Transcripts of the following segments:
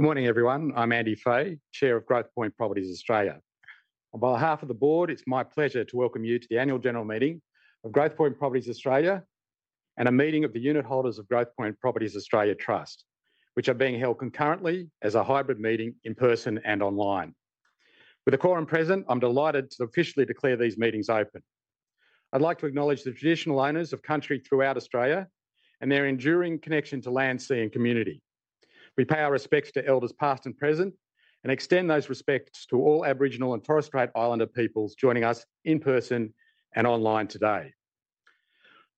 Good morning, everyone. I'm Andy Fay, Chair of Growthpoint Properties Australia. On behalf of the board, it's my pleasure to welcome you to the Annual General Meeting of Growthpoint Properties Australia and a meeting of the unit holders of Growthpoint Properties Australia Trust, which are being held concurrently as a hybrid meeting in person and online. With the quorum present, I'm delighted to officially declare these meetings open. I'd like to acknowledge the traditional owners of country throughout Australia and their enduring connection to land, sea, and community. We pay our respects to Elders past and present and extend those respects to all Aboriginal and Torres Strait Islander peoples joining us in person and online today.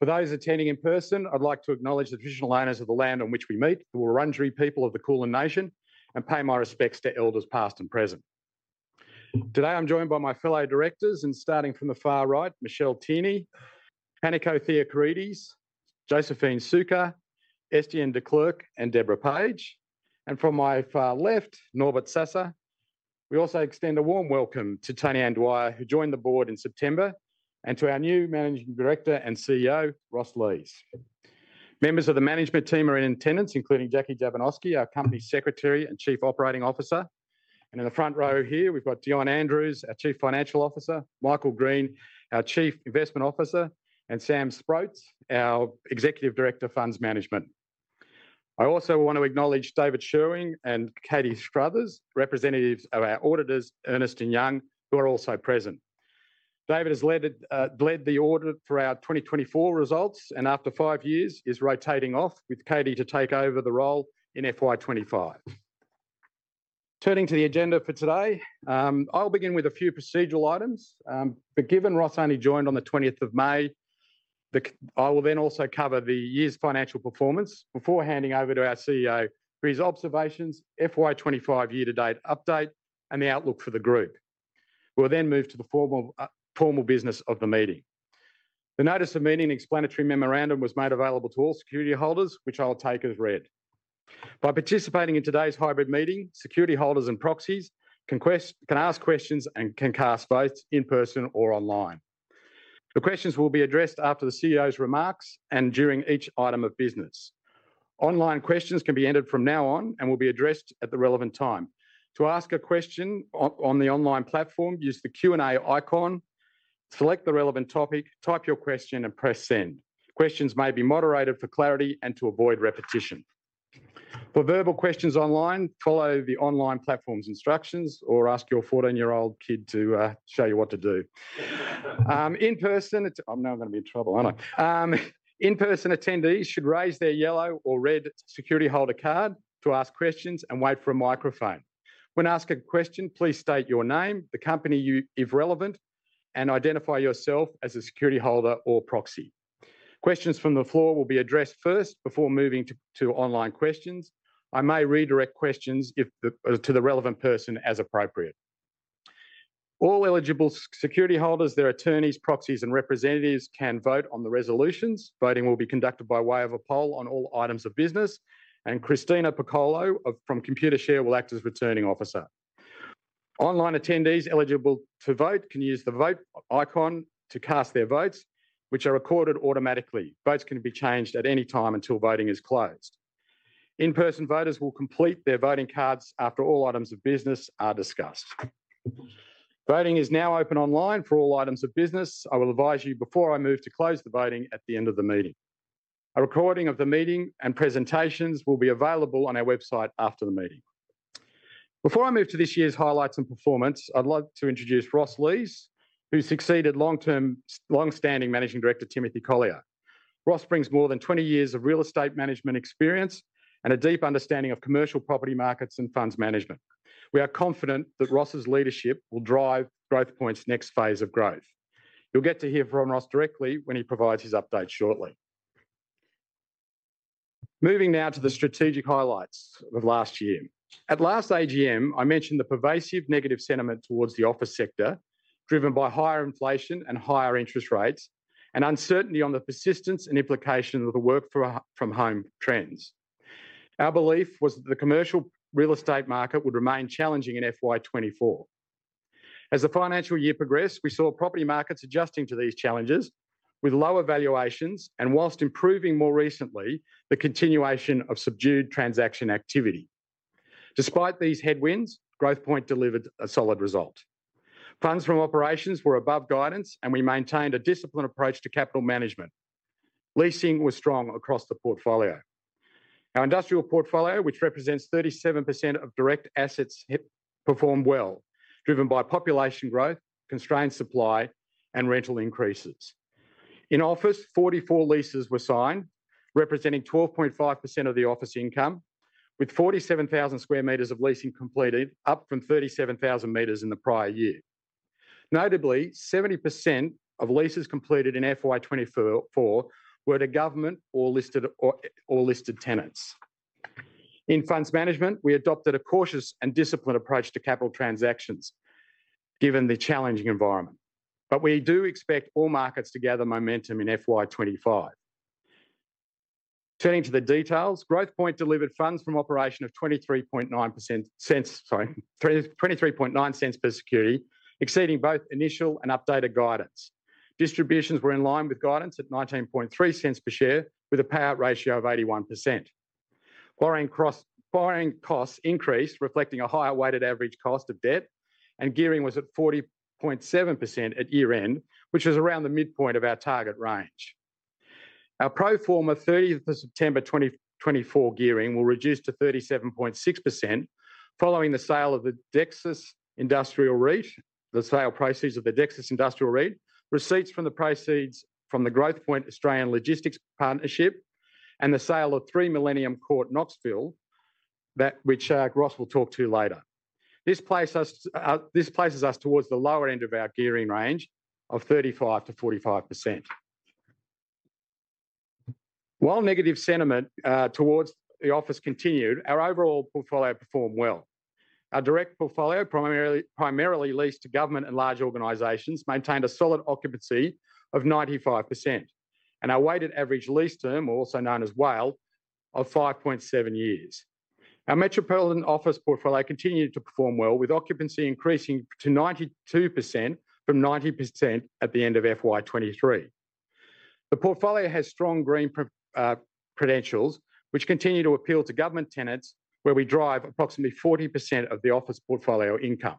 For those attending in person, I'd like to acknowledge the traditional owners of the land on which we meet, the Wurundjeri people of the Kulin Nation, and pay my respects to Elders past and present. Today, I'm joined by my fellow directors, and starting from the far right, Michelle Tierney, Panico Theocharides, Josephine Sukkar, Estienne de Klerk, and Deborah Page, and from my far left, Norbert Sasse. We also extend a warm welcome to Tonianne Dwyer, who joined the board in September, and to our new Managing Director and CEO, Ross Lees. Members of the management team are in attendance, including Jacquee Jovanovski, our Company Secretary and Chief Operating Officer. And in the front row here, we've got Dion Andrews, our Chief Financial Officer, Michael Green, our Chief Investment Officer, and Sam Sproats, our Executive Director of Funds Management. I also want to acknowledge David Shewring and Katie Struthers, representatives of our auditors, Ernst & Young, who are also present. David has led the audit for our 2024 results and, after five years, is rotating off with Katie to take over the role in FY 2025. Turning to the agenda for today, I'll begin with a few procedural items. But given Ross only joined on the 20th of May, I will then also cover the year's financial performance before handing over to our CEO for his observations, FY 2025 year-to-date update, and the outlook for the group. We'll then move to the formal business of the meeting. The Notice of Meeting and Explanatory Memorandum was made available to all security holders, which I'll take as read. By participating in today's hybrid meeting, security holders and proxies can ask questions and can cast votes in person or online. The questions will be addressed after the CEO's remarks and during each item of business. Online questions can be entered from now on and will be addressed at the relevant time. To ask a question on the online platform, use the Q&A icon, select the relevant topic, type your question, and press send. Questions may be moderated for clarity and to avoid repetition. For verbal questions online, follow the online platform's instructions or ask your 14-year-old kid to show you what to do. In person, I'm now going to be in trouble, aren't I? In-person attendees should raise their yellow or red security holder card to ask questions and wait for a microphone. When asked a question, please state your name, the company you represent if relevant, and identify yourself as a security holder or proxy. Questions from the floor will be addressed first before moving to online questions. I may redirect questions to the relevant person as appropriate. All eligible security holders, their attorneys, proxies, and representatives can vote on the resolutions. Voting will be conducted by way of a poll on all items of business, and Christina Piccolo from Computershare will act as returning officer. Online attendees eligible to vote can use the vote icon to cast their votes, which are recorded automatically. Votes can be changed at any time until voting is closed. In-person voters will complete their voting cards after all items of business are discussed. Voting is now open online for all items of business. I will advise you before I move to close the voting at the end of the meeting. A recording of the meeting and presentations will be available on our website after the meeting. Before I move to this year's highlights and performance, I'd love to introduce Ross Lees, who succeeded long-standing Managing Director Timothy Collyer. Ross brings more than 20 years of real estate management experience and a deep understanding of commercial property markets and funds management. We are confident that Ross's leadership will drive Growthpoint's next phase of growth. You'll get to hear from Ross directly when he provides his update shortly. Moving now to the strategic highlights of last year. At last AGM, I mentioned the pervasive negative sentiment towards the office sector, driven by higher inflation and higher interest rates, and uncertainty on the persistence and implications of the work-from-home trends. Our belief was that the commercial real estate market would remain challenging in FY 2024. As the financial year progressed, we saw property markets adjusting to these challenges with lower valuations and, while improving more recently, the continuation of subdued transaction activity. Despite these headwinds, Growthpoint delivered a solid result. Funds from operations were above guidance, and we maintained a disciplined approach to capital management. Leasing was strong across the portfolio. Our industrial portfolio, which represents 37% of direct assets, performed well, driven by population growth, constrained supply, and rental increases. In office, 44 leases were signed, representing 12.5% of the office income, with 47,000 square meters of leasing completed, up from 37,000 meters in the prior year. Notably, 70% of leases completed in FY 2024 were to government or listed tenants. In funds management, we adopted a cautious and disciplined approach to capital transactions, given the challenging environment. But we do expect all markets to gather momentum in FY 2025. Turning to the details, Growthpoint delivered funds from operations of 0.239 per security, exceeding both initial and updated guidance. Distributions were in line with guidance at 0.193 per share, with a payout ratio of 81%. Borrowing costs increased, reflecting a higher weighted average cost of debt, and gearing was at 40.7% at year-end, which was around the midpoint of our target range. Our pro forma 30 September 2024 gearing will reduce to 37.6% following the sale of the Dexus Industria REIT, the sale proceeds of the Dexus Industria REIT, receipts from the proceeds from the Growthpoint Australia Logistics Partnership, and the sale of three Millennium Court Knoxfield, which Ross will talk to later. This places us towards the lower end of our gearing range of 35%-45%. While negative sentiment towards the office continued, our overall portfolio performed well. Our direct portfolio, primarily leased to government and large organizations, maintained a solid occupancy of 95%, and our weighted average lease term, also known as WALE, of 5.7 years. Our Metropolitan office portfolio continued to perform well, with occupancy increasing to 92% from 90% at the end of FY 2023. The portfolio has strong green credentials, which continue to appeal to government tenants, where we drive approximately 40% of the office portfolio income.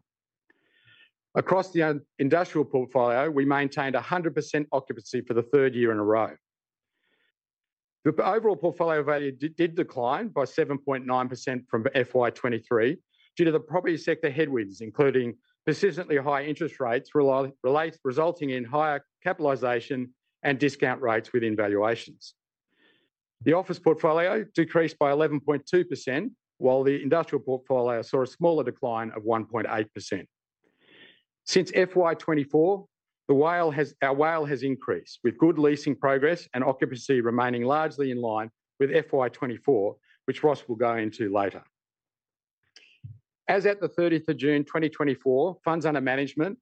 Across the industrial portfolio, we maintained 100% occupancy for the third year in a row. The overall portfolio value did decline by 7.9% from FY 2023 due to the property sector headwinds, including persistently high interest rates, resulting in higher capitalization and discount rates within valuations. The office portfolio decreased by 11.2%, while the industrial portfolio saw a smaller decline of 1.8%. Since FY 2024, our WALE has increased, with good leasing progress and occupancy remaining largely in line with FY 2024, which Ross will go into later. As at the 30th of June 2024, the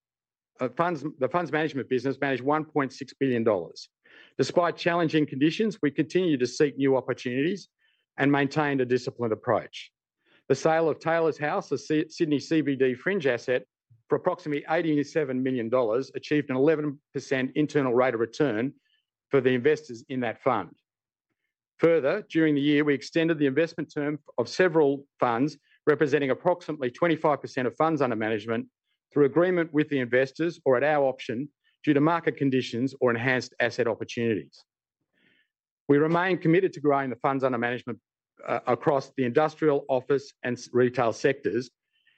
funds management business managed 1.6 billion dollars. Despite challenging conditions, we continue to seek new opportunities and maintain a disciplined approach. The sale of Taylors House, a Sydney CBD fringe asset for approximately 87 million dollars, achieved an 11% internal rate of return for the investors in that fund. Further, during the year, we extended the investment term of several funds, representing approximately 25% of funds under management, through agreement with the investors or at our option due to market conditions or enhanced asset opportunities. We remain committed to growing the funds under management across the industrial, office, and retail sectors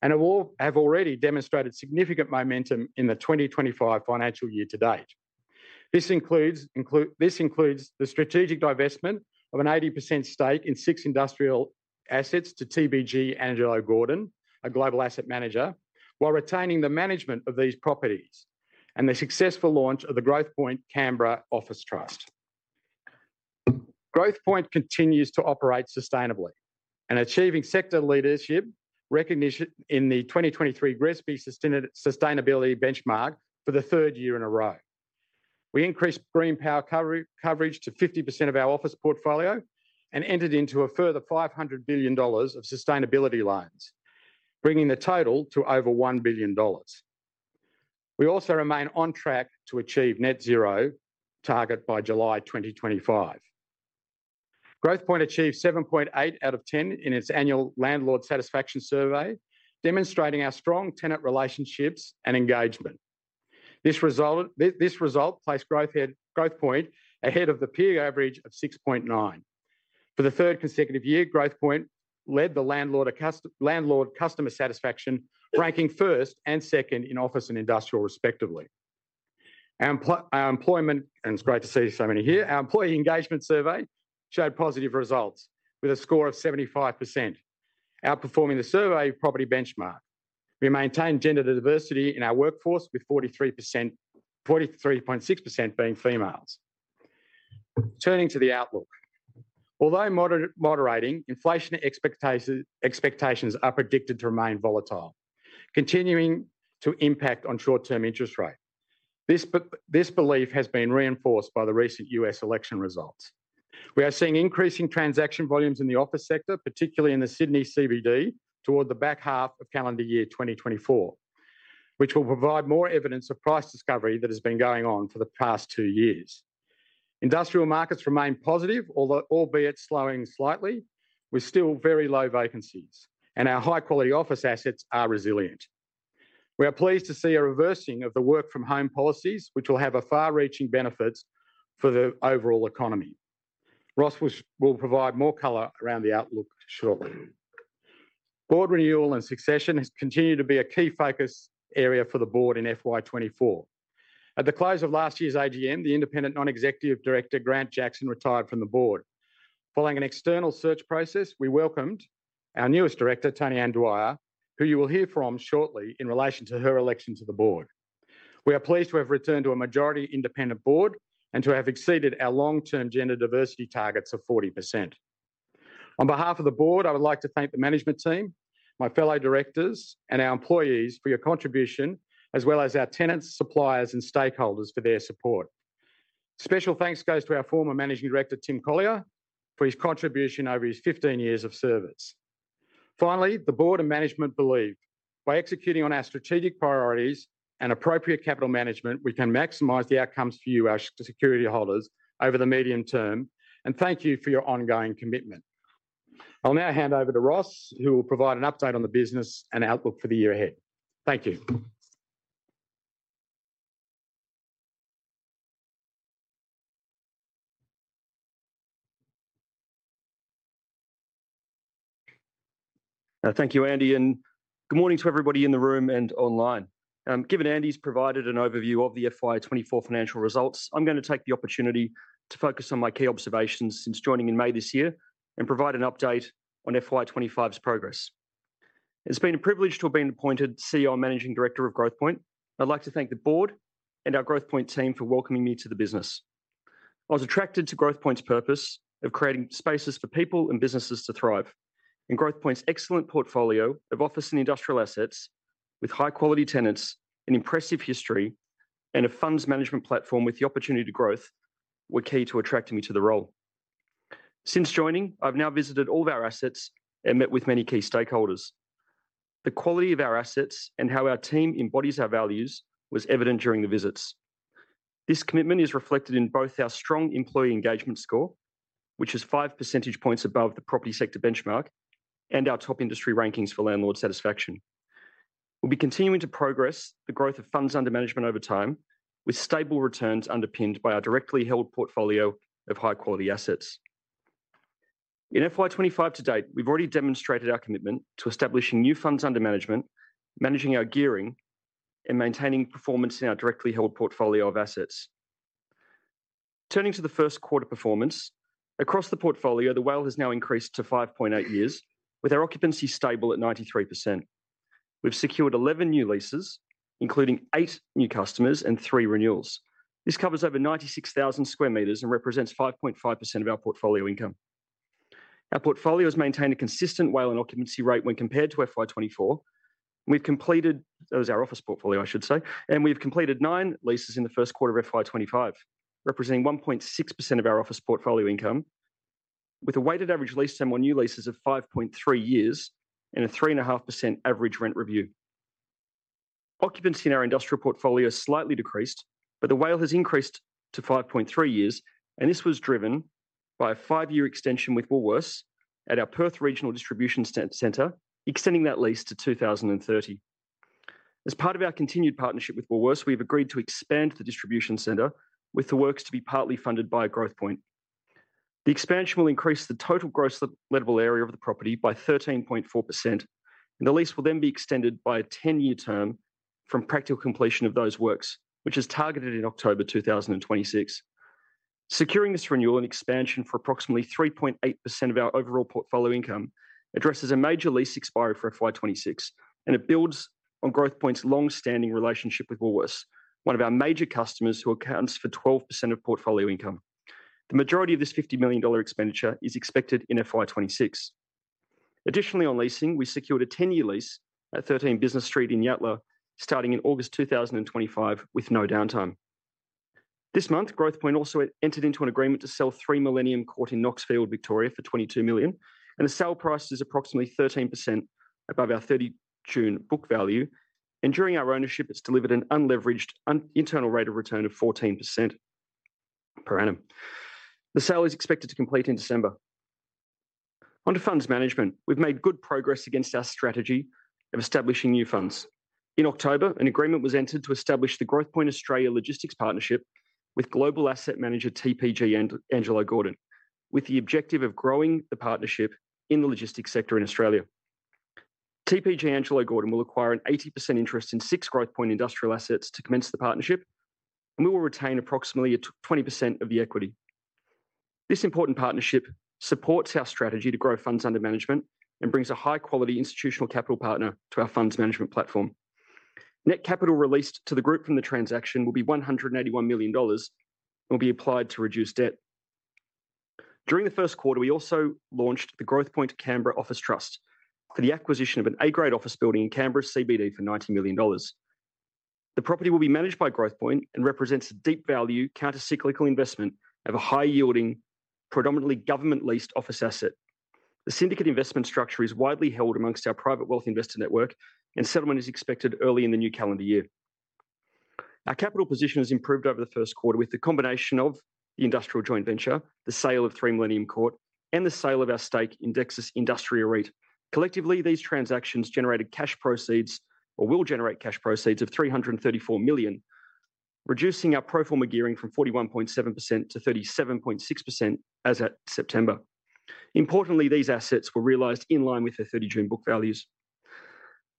and have already demonstrated significant momentum in the 2025 financial year to date. This includes the strategic divestment of an 80% stake in six industrial assets to TPG Angelo Gordon, a global asset manager, while retaining the management of these properties and the successful launch of the Growthpoint Canberra Office Trust. Growthpoint continues to operate sustainably and achieving sector leadership recognition in the 2023 GRESB Sustainability Benchmark for the third year in a row. We increased green power coverage to 50% of our office portfolio and entered into a further 500 million dollars of sustainability loans, bringing the total to over 1 billion dollars. We also remain on track to achieve net zero target by July 2025. Growthpoint achieved 7.8 out of 10 in its annual tenant satisfaction survey, demonstrating our strong tenant relationships and engagement. This result placed Growthpoint ahead of the peer average of 6.9. For the third consecutive year, Growthpoint led the landlord customer satisfaction, ranking first and second in office and industrial, respectively. Our employees, and it's great to see so many here, our employee engagement survey showed positive results with a score of 75%, outperforming the survey property benchmark. We maintain gender diversity in our workforce, with 43.6% being females. Turning to the outlook, although moderating, inflation expectations are predicted to remain volatile, continuing to impact on short-term interest rates. This belief has been reinforced by the recent U.S. election results. We are seeing increasing transaction volumes in the office sector, particularly in the Sydney CBD, toward the back half of calendar year 2024, which will provide more evidence of price discovery that has been going on for the past two years. Industrial markets remain positive, albeit slowing slightly, with still very low vacancies, and our high-quality office assets are resilient. We are pleased to see a reversing of the work-from-home policies, which will have far-reaching benefits for the overall economy. Ross will provide more color around the outlook shortly. Board renewal and succession continue to be a key focus area for the board in FY 2024. At the close of last year's AGM, the Independent Non-Executive Director, Grant Jackson, retired from the board. Following an external search process, we welcomed our newest director, Tonianne Dwyer, who you will hear from shortly in relation to her election to the board. We are pleased to have returned to a majority independent board and to have exceeded our long-term gender diversity targets of 40%. On behalf of the board, I would like to thank the management team, my fellow directors, and our employees for your contribution, as well as our tenants, suppliers, and stakeholders for their support. Special thanks goes to our former Managing Director, Tim Collyer, for his contribution over his 15 years of service. Finally, the board and management believe by executing on our strategic priorities and appropriate capital management, we can maximize the outcomes for you, our security holders, over the medium term, and thank you for your ongoing commitment. I'll now hand over to Ross, who will provide an update on the business and outlook for the year ahead. Thank you. Thank you, Andy, and good morning to everybody in the room and online. Given Andy's provided an overview of the FY 2024 financial results, I'm going to take the opportunity to focus on my key observations since joining in May this year and provide an update on FY 2025's progress. It's been a privilege to have been appointed CEO and Managing Director of Growthpoint. I'd like to thank the board and our Growthpoint team for welcoming me to the business. I was attracted to Growthpoint's purpose of creating spaces for people and businesses to thrive, and Growthpoint's excellent portfolio of office and industrial assets with high-quality tenants and impressive history and a funds management platform with the opportunity to growth were key to attracting me to the role. Since joining, I've now visited all of our assets and met with many key stakeholders. The quality of our assets and how our team embodies our values was evident during the visits. This commitment is reflected in both our strong employee engagement score, which is five percentage points above the property sector benchmark, and our top industry rankings for landlord satisfaction. We'll be continuing to progress the growth of funds under management over time, with stable returns underpinned by our directly held portfolio of high-quality assets. In FY 2025 to date, we've already demonstrated our commitment to establishing new funds under management, managing our gearing, and maintaining performance in our directly held portfolio of assets. Turning to the first quarter performance, across the portfolio, the WALE has now increased to 5.8 years, with our occupancy stable at 93%. We've secured 11 new leases, including eight new customers and three renewals. This covers over 96,000 square meters and represents 5.5% of our portfolio income. Our portfolio has maintained a consistent WALE and occupancy rate when compared to FY 2024. We've completed (that was our office portfolio, I should say) and we've completed nine leases in the first quarter of FY 2025, representing 1.6% of our office portfolio income, with a weighted average lease term on new leases of 5.3 years and a 3.5% average rent review. Occupancy in our industrial portfolio has slightly decreased, but the WALE has increased to 5.3 years, and this was driven by a five-year extension with Woolworths at our Perth Regional Distribution Centre, extending that lease to 2030. As part of our continued partnership with Woolworths, we have agreed to expand the distribution centre, with the works to be partly funded by Growthpoint. The expansion will increase the total gross lettable area of the property by 13.4%, and the lease will then be extended by a 10-year term from practical completion of those works, which is targeted in October 2026. Securing this renewal and expansion for approximately 3.8% of our overall portfolio income addresses a major lease expiry for FY 2026, and it builds on Growthpoint's long-standing relationship with Woolworths, one of our major customers who accounts for 12% of portfolio income. The majority of this 50 million dollar expenditure is expected in FY 2026. Additionally, on leasing, we secured a 10-year lease at 13 Business Street in Yatala, starting in August 2025, with no downtime. This month, Growthpoint also entered into an agreement to sell three Millennium Court in Knoxfield, Victoria, for 22 million, and the sale price is approximately 13% above our 30 June book value, and during our ownership, it's delivered an unleveraged internal rate of return of 14% per annum. The sale is expected to complete in December. Under funds management, we've made good progress against our strategy of establishing new funds. In October, an agreement was entered to establish the Growthpoint Australia Logistics Partnership with global asset manager TPG Angelo Gordon, with the objective of growing the partnership in the logistics sector in Australia. TPG Angelo Gordon will acquire an 80% interest in six Growthpoint industrial assets to commence the partnership, and we will retain approximately 20% of the equity. This important partnership supports our strategy to grow funds under management and brings a high-quality institutional capital partner to our funds management platform. Net capital released to the group from the transaction will be 181 million dollars and will be applied to reduce debt. During the first quarter, we also launched the Growthpoint Canberra Office Trust for the acquisition of an A-grade office building in Canberra CBD for AUD 90 million. The property will be managed by Growthpoint and represents a deep value countercyclical investment of a high-yielding, predominantly government-leased office asset. The syndicate investment structure is widely held amongst our private wealth investor network, and settlement is expected early in the new calendar year. Our capital position has improved over the Q1 with the combination of the industrial joint venture, the sale of three Millennium Court, and the sale of our stake in Dexus Industria REIT. Collectively, these transactions generated cash proceeds or will generate cash proceeds of 334 million, reducing our pro forma gearing from 41.7%-37.6% as at September. Importantly, these assets were realised in line with the 30 June book values.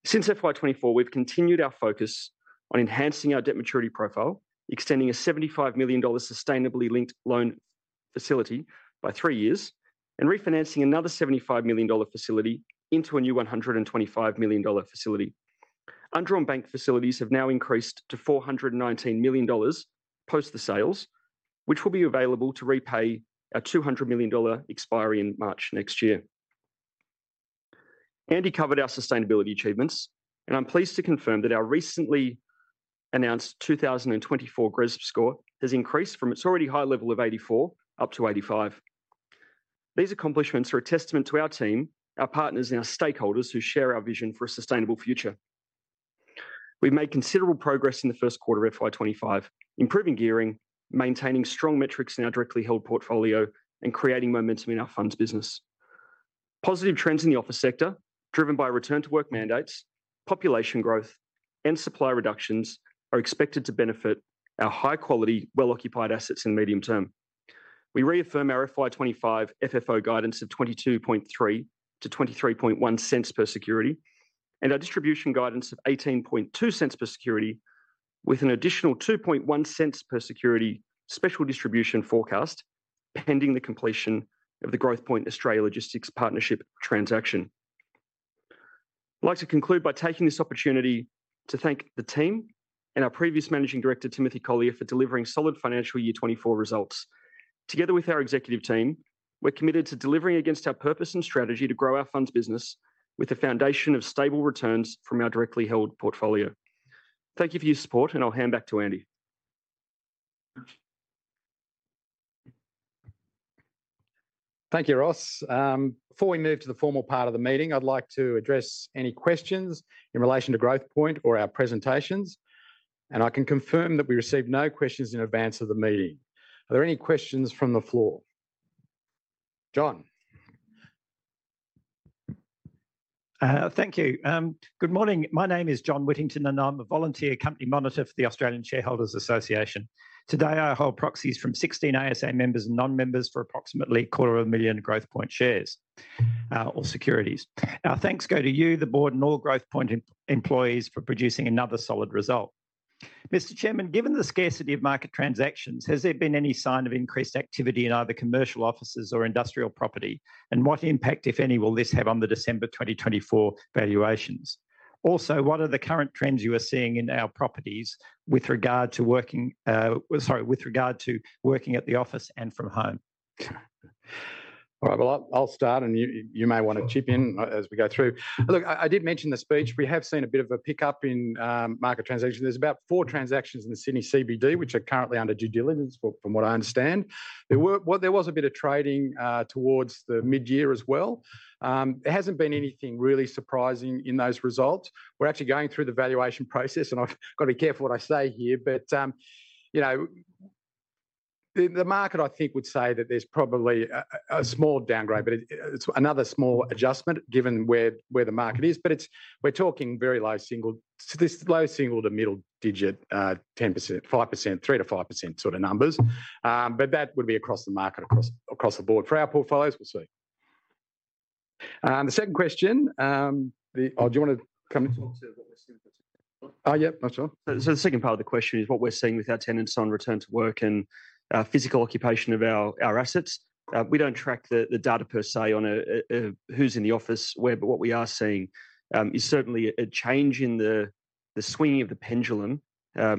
Since FY 2024, we've continued our focus on enhancing our debt maturity profile, extending a 75 million dollars sustainability-linked loan facility by three years, and refinancing another 75 million dollar facility into a new 125 million dollar facility. Undrawn bank facilities have now increased to 419 million dollars post the sales, which will be available to repay our 200 million dollar expiry in March next year. Andy covered our sustainability achievements, and I'm pleased to confirm that our recently announced 2024 GRESB score has increased from its already high level of 84 up to 85. These accomplishments are a testament to our team, our partners, and our stakeholders who share our vision for a sustainable future. We've made considerable progress in the Q1 of FY 2025, improving gearing, maintaining strong metrics in our directly held portfolio, and creating momentum in our funds business. Positive trends in the office sector, driven by return-to-work mandates, population growth, and supply reductions, are expected to benefit our high-quality, well-occupied assets in the medium term. We reaffirm our FY 2025 FFO guidance of 0.223-0.231 per security and our distribution guidance of 0.182 per security, with an additional 0.021 per security special distribution forecast pending the completion of the Growthpoint Australia Logistics Partnership transaction. I'd like to conclude by taking this opportunity to thank the team and our previous Managing Director, Timothy Collyer, for delivering solid financial year 2024 results. Together with our executive team, we're committed to delivering against our purpose and strategy to grow our funds business with a foundation of stable returns from our directly held portfolio. Thank you for your support, and I'll hand back to Andy. Thank you, Ross. Before we move to the formal part of the meeting, I'd like to address any questions in relation to Growthpoint or our presentations, and I can confirm that we received no questions in advance of the meeting. Are there any questions from the floor? John. Thank you. Good morning. My name is John Whittington, and I'm a volunteer company monitor for the Australian Shareholders' Association. Today, I hold proxies from 16 ASA members and non-members for approximately 250,000 Growthpoint shares or securities. Our thanks go to you, the board, and all Growthpoint employees for producing another solid result. Mr. Chairman, given the scarcity of market transactions, has there been any sign of increased activity in either commercial offices or industrial property? And what impact, if any, will this have on the December 2024 valuations? Also, what are the current trends you are seeing in our properties with regard to working, sorry, with regard to working at the office and from home? All right, well, I'll start, and you may want to chip in as we go through. Look, I did mention the speech. We have seen a bit of a pickup in market transactions. There's about four transactions in the Sydney CBD, which are currently under due diligence, from what I understand. There was a bit of trading towards the mid-year as well. There hasn't been anything really surprising in those results. We're actually going through the valuation process, and I've got to be careful what I say here, but the market, I think, would say that there's probably a small downgrade, but it's another small adjustment given where the market is. But we're talking very low single—this low single to middle digit 10%, 5%, 3%-5% sort of numbers. But that would be across the market, across the board. For our portfolios, we'll see. The second question, do you want to come into what? Oh, yeah, not sure. So the second part of the question is what we're seeing with our tenants on return to work and physical occupation of our assets. We don't track the data per se on who's in the office, where, but what we are seeing is certainly a change in the swinging of the pendulum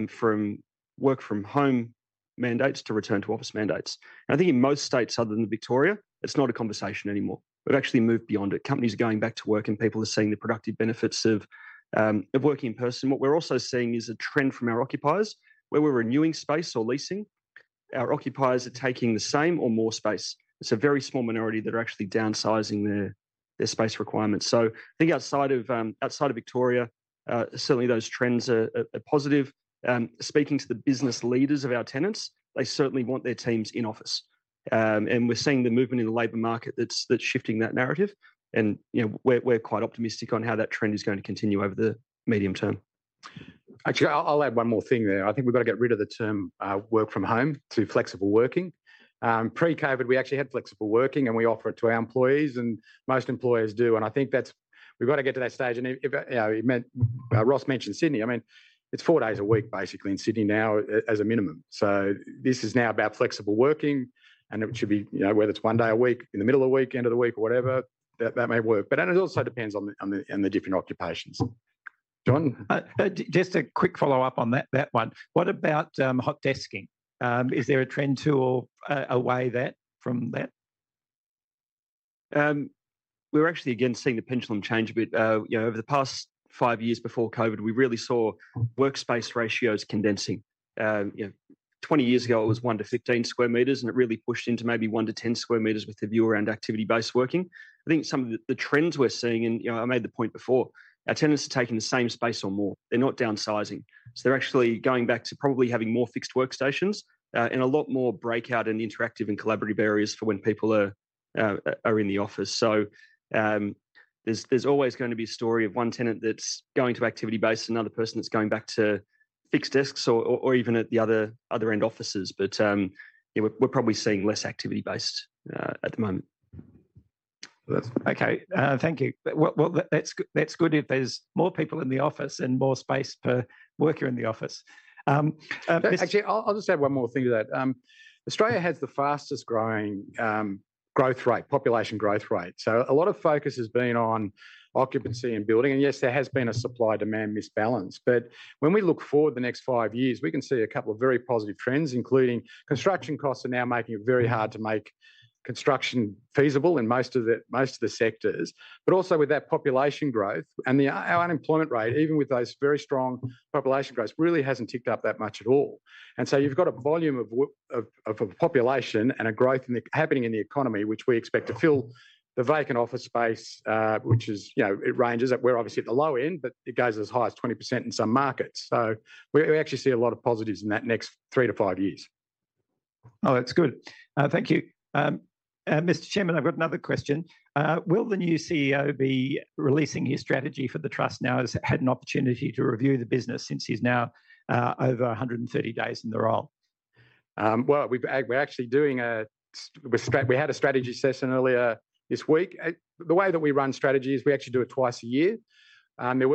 from work-from-home mandates to return-to-office mandates. And I think in most states other than Victoria, it's not a conversation anymore. We've actually moved beyond it. Companies are going back to work, and people are seeing the productive benefits of working in person. What we're also seeing is a trend from our occupiers, whether we're renewing space or leasing. Our occupiers are taking the same or more space. It's a very small minority that are actually downsizing their space requirements. So I think outside of Victoria, certainly those trends are positive. Speaking to the business leaders of our tenants, they certainly want their teams in office. And we're seeing the movement in the labor market that's shifting that narrative. We're quite optimistic on how that trend is going to continue over the medium term. Actually, I'll add one more thing there. I think we've got to get rid of the term work-from-home to flexible working. Pre-COVID, we actually had flexible working, and we offer it to our employees, and most employers do. I think we've got to get to that stage. Ross mentioned Sydney. I mean, it's four days a week, basically, in Sydney now as a minimum. So this is now about flexible working, and it should be whether it's one day a week, in the middle of the week, end of the week, or whatever, that may work. But it also depends on the different occupations. John? Just a quick follow-up on that one. What about hot desking? Is there a trend away from that? We're actually, again, seeing the pendulum change a bit. Over the past five years before COVID, we really saw workspace ratios condensing. 20 years ago, it was one to 15 square meters, and it really pushed into maybe one to 10 square meters with the view around activity-based working. I think some of the trends we're seeing, and I made the point before, our tenants are taking the same space or more. They're not downsizing. So they're actually going back to probably having more fixed workstations and a lot more breakout and interactive and collaborative areas for when people are in the office. So there's always going to be a story of one tenant that's going to activity-based and another person that's going back to fixed desks or even at the other end offices. But we're probably seeing less activity-based at the moment. Okay, thank you. That's good if there's more people in the office and more space per worker in the office. Actually, I'll just add one more thing to that. Australia has the fastest growing population growth rate. So a lot of focus has been on occupancy and building. And yes, there has been a supply-demand misbalance. But when we look forward the next five years, we can see a couple of very positive trends, including construction costs are now making it very hard to make construction feasible in most of the sectors. But also with that population growth, and our unemployment rate, even with those very strong population growth, really hasn't ticked up that much at all. And so you've got a volume of population and a growth happening in the economy, which we expect to fill the vacant office space, which ranges at - we're obviously at the low end, but it goes as high as 20% in some markets. So we actually see a lot of positives in that next three to five years. Oh, that's good. Thank you. Mr. Chairman, I've got another question. Will the new CEO be releasing his strategy for the trust now? Has he had an opportunity to review the business since he's now over 130 days in the role? Well, we're actually... we had a strategy session earlier this week. The way that we run strategy is we actually do it twice a year. There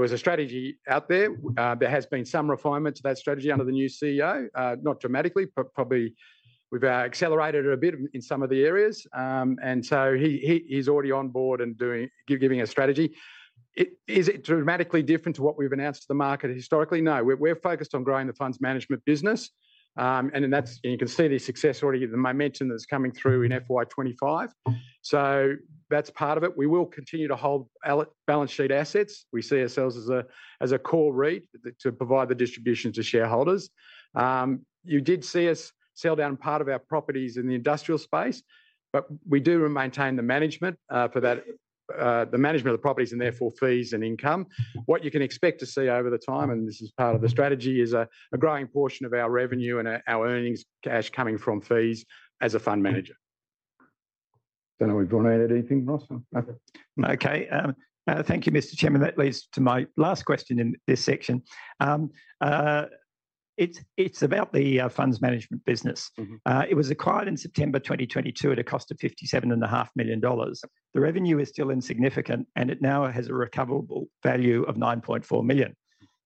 was a strategy out there. There has been some refinement to that strategy under the new CEO, not dramatically, but probably we've accelerated it a bit in some of the areas. And so he's already on board and giving a strategy. Is it dramatically different to what we've announced to the market historically? No. We're focused on growing the funds management business. And you can see the success already, the momentum that's coming through in FY 2025. So that's part of it. We will continue to hold balance sheet assets. We see ourselves as a core REIT to provide the distribution to shareholders. You did see us sell down part of our properties in the industrial space, but we do maintain the management for that, the management of the properties and therefore fees and income. What you can expect to see over the time, and this is part of the strategy, is a growing portion of our revenue and our earnings cash coming from fees as a fund manager. I don't know if we've gone out anything, Ross? Okay. Thank you, Mr. Chairman. That leads to my last question in this section. It's about the funds management business. It was acquired in September 2022 at a cost of 57.5 million dollars. The revenue is still insignificant, and it now has a recoverable value of 9.4 million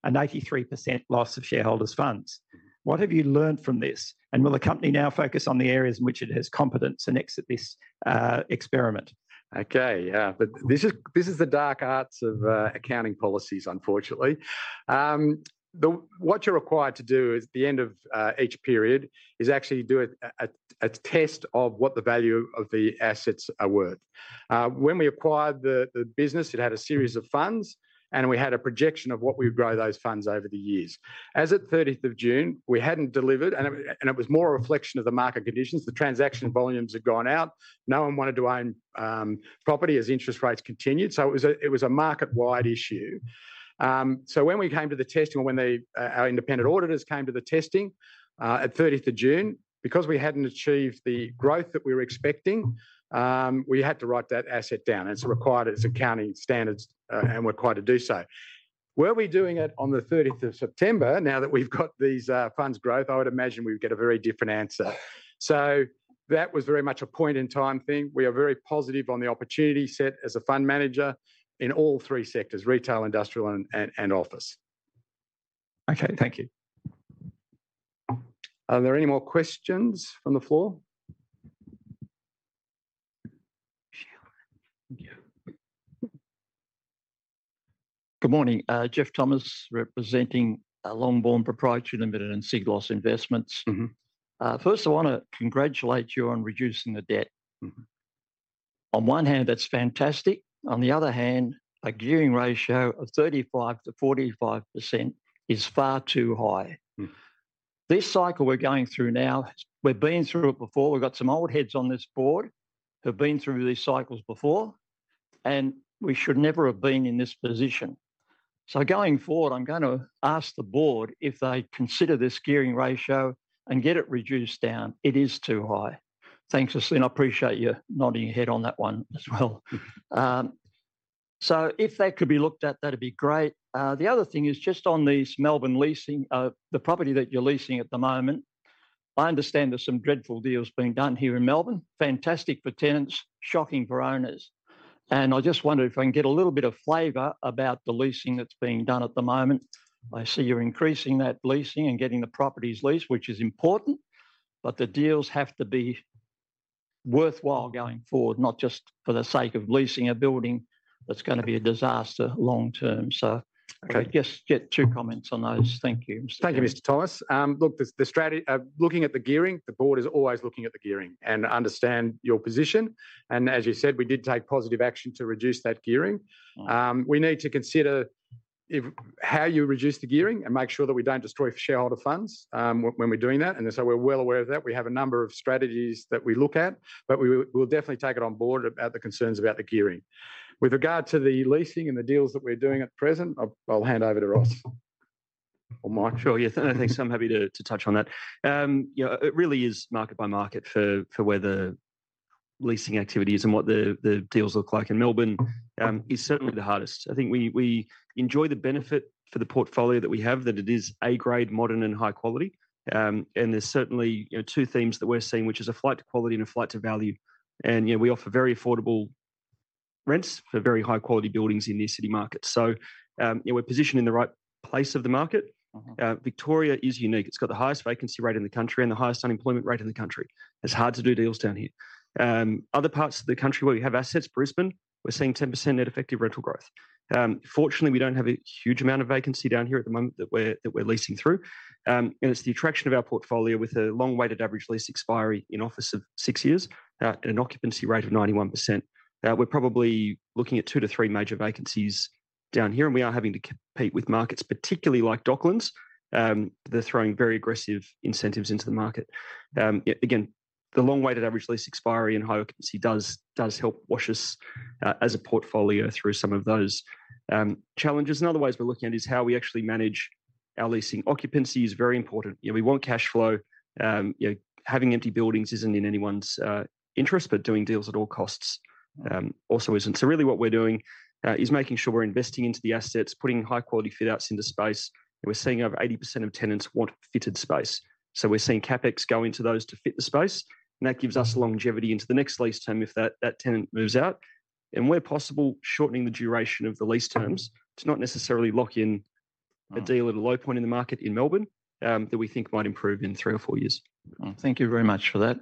and 83% loss of shareholders' funds. What have you learned from this? And will the company now focus on the areas in which it has competence and exit this experiment? Okay. This is the dark arts of accounting policies, unfortunately. What you're required to do at the end of each period is actually do a test of what the value of the assets are worth. When we acquired the business, it had a series of funds, and we had a projection of what we would grow those funds over the years. As of 30th of June, we hadn't delivered, and it was more a reflection of the market conditions. The transaction volumes had gone out. No one wanted to own property as interest rates continued, so it was a market-wide issue, so when we came to the testing, when our independent auditors came to the testing at 30th of June, because we hadn't achieved the growth that we were expecting, we had to write that asset down, and it's required as accounting standards, and we're required to do so. Were we doing it on the 30th of September, now that we've got these funds growth, I would imagine we would get a very different answer. So that was very much a point-in-time thing. We are very positive on the opportunity set as a fund manager in all three sectors, retail, industrial, and office. Okay. Thank you. Are there any more questions from the floor? Good morning. Geoff Thomas, representing Longbourn Proprietary Limited and Seagloss Investments. First, I want to congratulate you on reducing the debt. On one hand, that's fantastic. On the other hand, a gearing ratio of 35%-45% is far too high. This cycle we're going through now, we've been through it before. We've got some old heads on this board who've been through these cycles before, and we should never have been in this position. So going forward, I'm going to ask the board if they consider this gearing ratio and get it reduced down. It is too high. Thanks, Estienne. I appreciate you nodding your head on that one as well. So if that could be looked at, that'd be great. The other thing is just on this Melbourne leasing, the property that you're leasing at the moment. I understand there's some dreadful deals being done here in Melbourne. Fantastic for tenants, shocking for owners. And I just wondered if I can get a little bit of flavor about the leasing that's being done at the moment. I see you're increasing that leasing and getting the properties leased, which is important, but the deals have to be worthwhile going forward, not just for the sake of leasing a building that's going to be a disaster long-term. So, I guess, get to comments on those. Thank you. Thank you, Mr. Thomas. Look, looking at the gearing, the board is always looking at the gearing and understands your position. And as you said, we did take positive action to reduce that gearing. We need to consider how you reduce the gearing and make sure that we don't destroy shareholder funds when we're doing that. And so we're well aware of that. We have a number of strategies that we look at, but we will definitely take it on board about the concerns about the gearing. With regard to the leasing and the deals that we're doing at present, I'll hand over to Ross or Mike. Sure. Yeah, I think I'm happy to touch on that. It really is market-by-market for where the leasing activity is and what the deals look like. And Melbourne is certainly the hardest. I think we enjoy the benefit for the portfolio that we have, that it is A-grade, modern, and high quality, and there's certainly two themes that we're seeing, which are a flight to quality and a flight to value, and we offer very affordable rents for very high-quality buildings in the city market, so we're positioned in the right place of the market. Victoria is unique. It's got the highest vacancy rate in the country and the highest unemployment rate in the country. It's hard to do deals down here. Other parts of the country where we have assets, Brisbane, we're seeing 10% net effective rental growth. Fortunately, we don't have a huge amount of vacancy down here at the moment that we're leasing through, and it's the attraction of our portfolio with a long weighted average lease expiry in office of six years and an occupancy rate of 91%. We're probably looking at two to three major vacancies down here, and we are having to compete with markets, particularly like Docklands. They're throwing very aggressive incentives into the market. Again, the long-weighted average lease expiry and high occupancy does help wash us as a portfolio through some of those challenges, and otherwise, we're looking at is how we actually manage our leasing. Occupancy is very important. We want cash flow. Having empty buildings isn't in anyone's interest, but doing deals at all costs also isn't, so really what we're doing is making sure we're investing into the assets, putting high-quality fit-outs into space. We're seeing over 80% of tenants want fitted space. So we're seeing CapEx go into those to fit the space, and that gives us longevity into the next lease term if that tenant moves out. And where possible, shortening the duration of the lease terms to not necessarily lock in a deal at a low point in the market in Melbourne that we think might improve in three or four years. Thank you very much for that.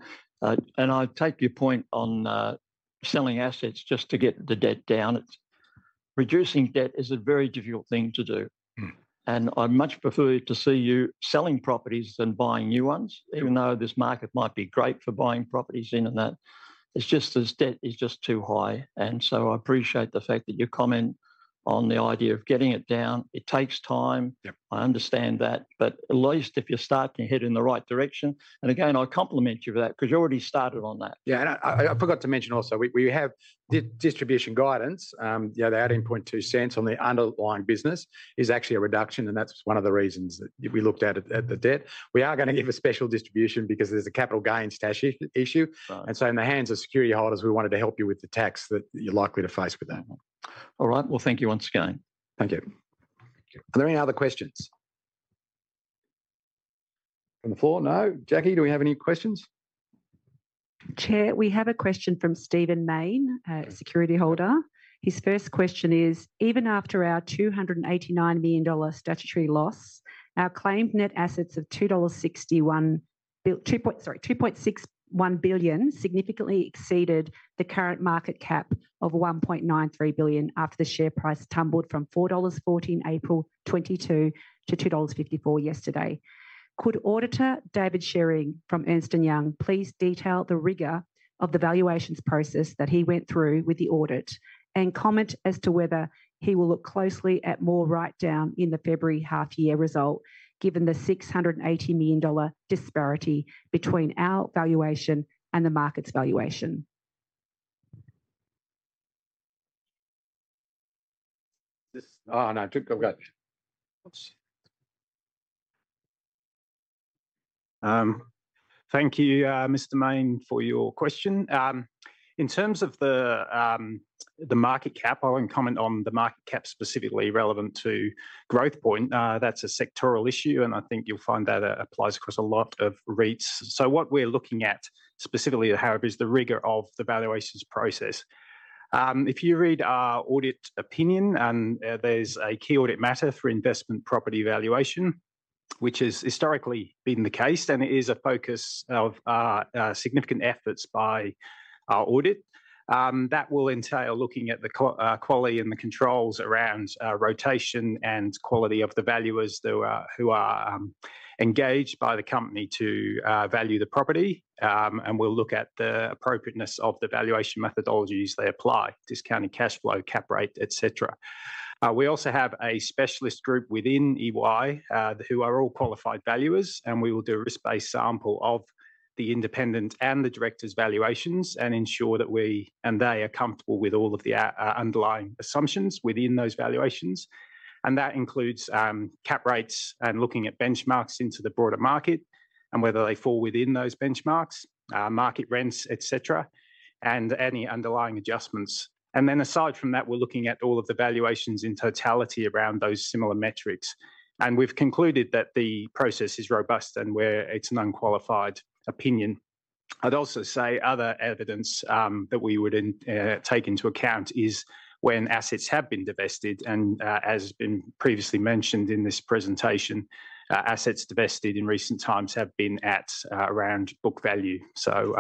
And I take your point on selling assets just to get the debt down. Reducing debt is a very difficult thing to do. And I'd much prefer to see you selling properties than buying new ones, even though this market might be great for buying properties in and out. It's just as debt is just too high. And so I appreciate the fact that you comment on the idea of getting it down. It takes time. I understand that. But at least if you're starting to head in the right direction, and again, I compliment you for that because you already started on that. Yeah. I forgot to mention also, we have distribution guidance. The 0.182 on the underlying business is actually a reduction, and that's one of the reasons that we looked at the debt. We are going to give a special distribution because there's a capital gains tax issue. And so in the hands of security holders, we wanted to help you with the tax that you're likely to face with that. All right. Well, thank you once again. Thank you. Are there any other questions? From the floor? No. Jacquee, do we have any questions? Chair, we have a question from Stephen Mayne, a security holder. His first question is, even after our 289 million dollar statutory loss, our claimed net assets of 2.61 billion dollars, sorry, 2.61 billion significantly exceeded the current market cap of 1.93 billion after the share price tumbled from 4.14 dollars April 22 to 2.54 dollars yesterday. Could Auditor David Shewring from Ernst & Young please detail the rigor of the valuations process that he went through with the audit and comment as to whether he will look closely at more write-down in the February half-year result, given the 680 million dollar disparity between our valuation and the market's valuation? Oh, no. I've got it. Thank you, Mr. Mayne, for your question. In terms of the market cap, I won't comment on the market cap specifically relevant to Growthpoint. That's a sectoral issue, and I think you'll find that applies across a lot of REITs. So what we're looking at specifically, however, is the rigor of the valuations process. If you read our audit opinion, there's a key audit matter for investment property valuation, which has historically been the case, and it is a focus of significant efforts by our audit. That will entail looking at the quality and the controls around rotation and quality of the valuers who are engaged by the company to value the property, and we'll look at the appropriateness of the valuation methodologies they apply, discounted cash flow, cap rate, etc. We also have a specialist group within EY who are all qualified valuers, and we will do a risk-based sample of the independent and the director's valuations and ensure that we and they are comfortable with all of the underlying assumptions within those valuations, and that includes cap rates and looking at benchmarks into the broader market and whether they fall within those benchmarks, market rents, etc., and any underlying adjustments, and then aside from that, we're looking at all of the valuations in totality around those similar metrics, and we've concluded that the process is robust and where it's an unqualified opinion. I'd also say other evidence that we would take into account is when assets have been divested. And as has been previously mentioned in this presentation, assets divested in recent times have been at around book value. So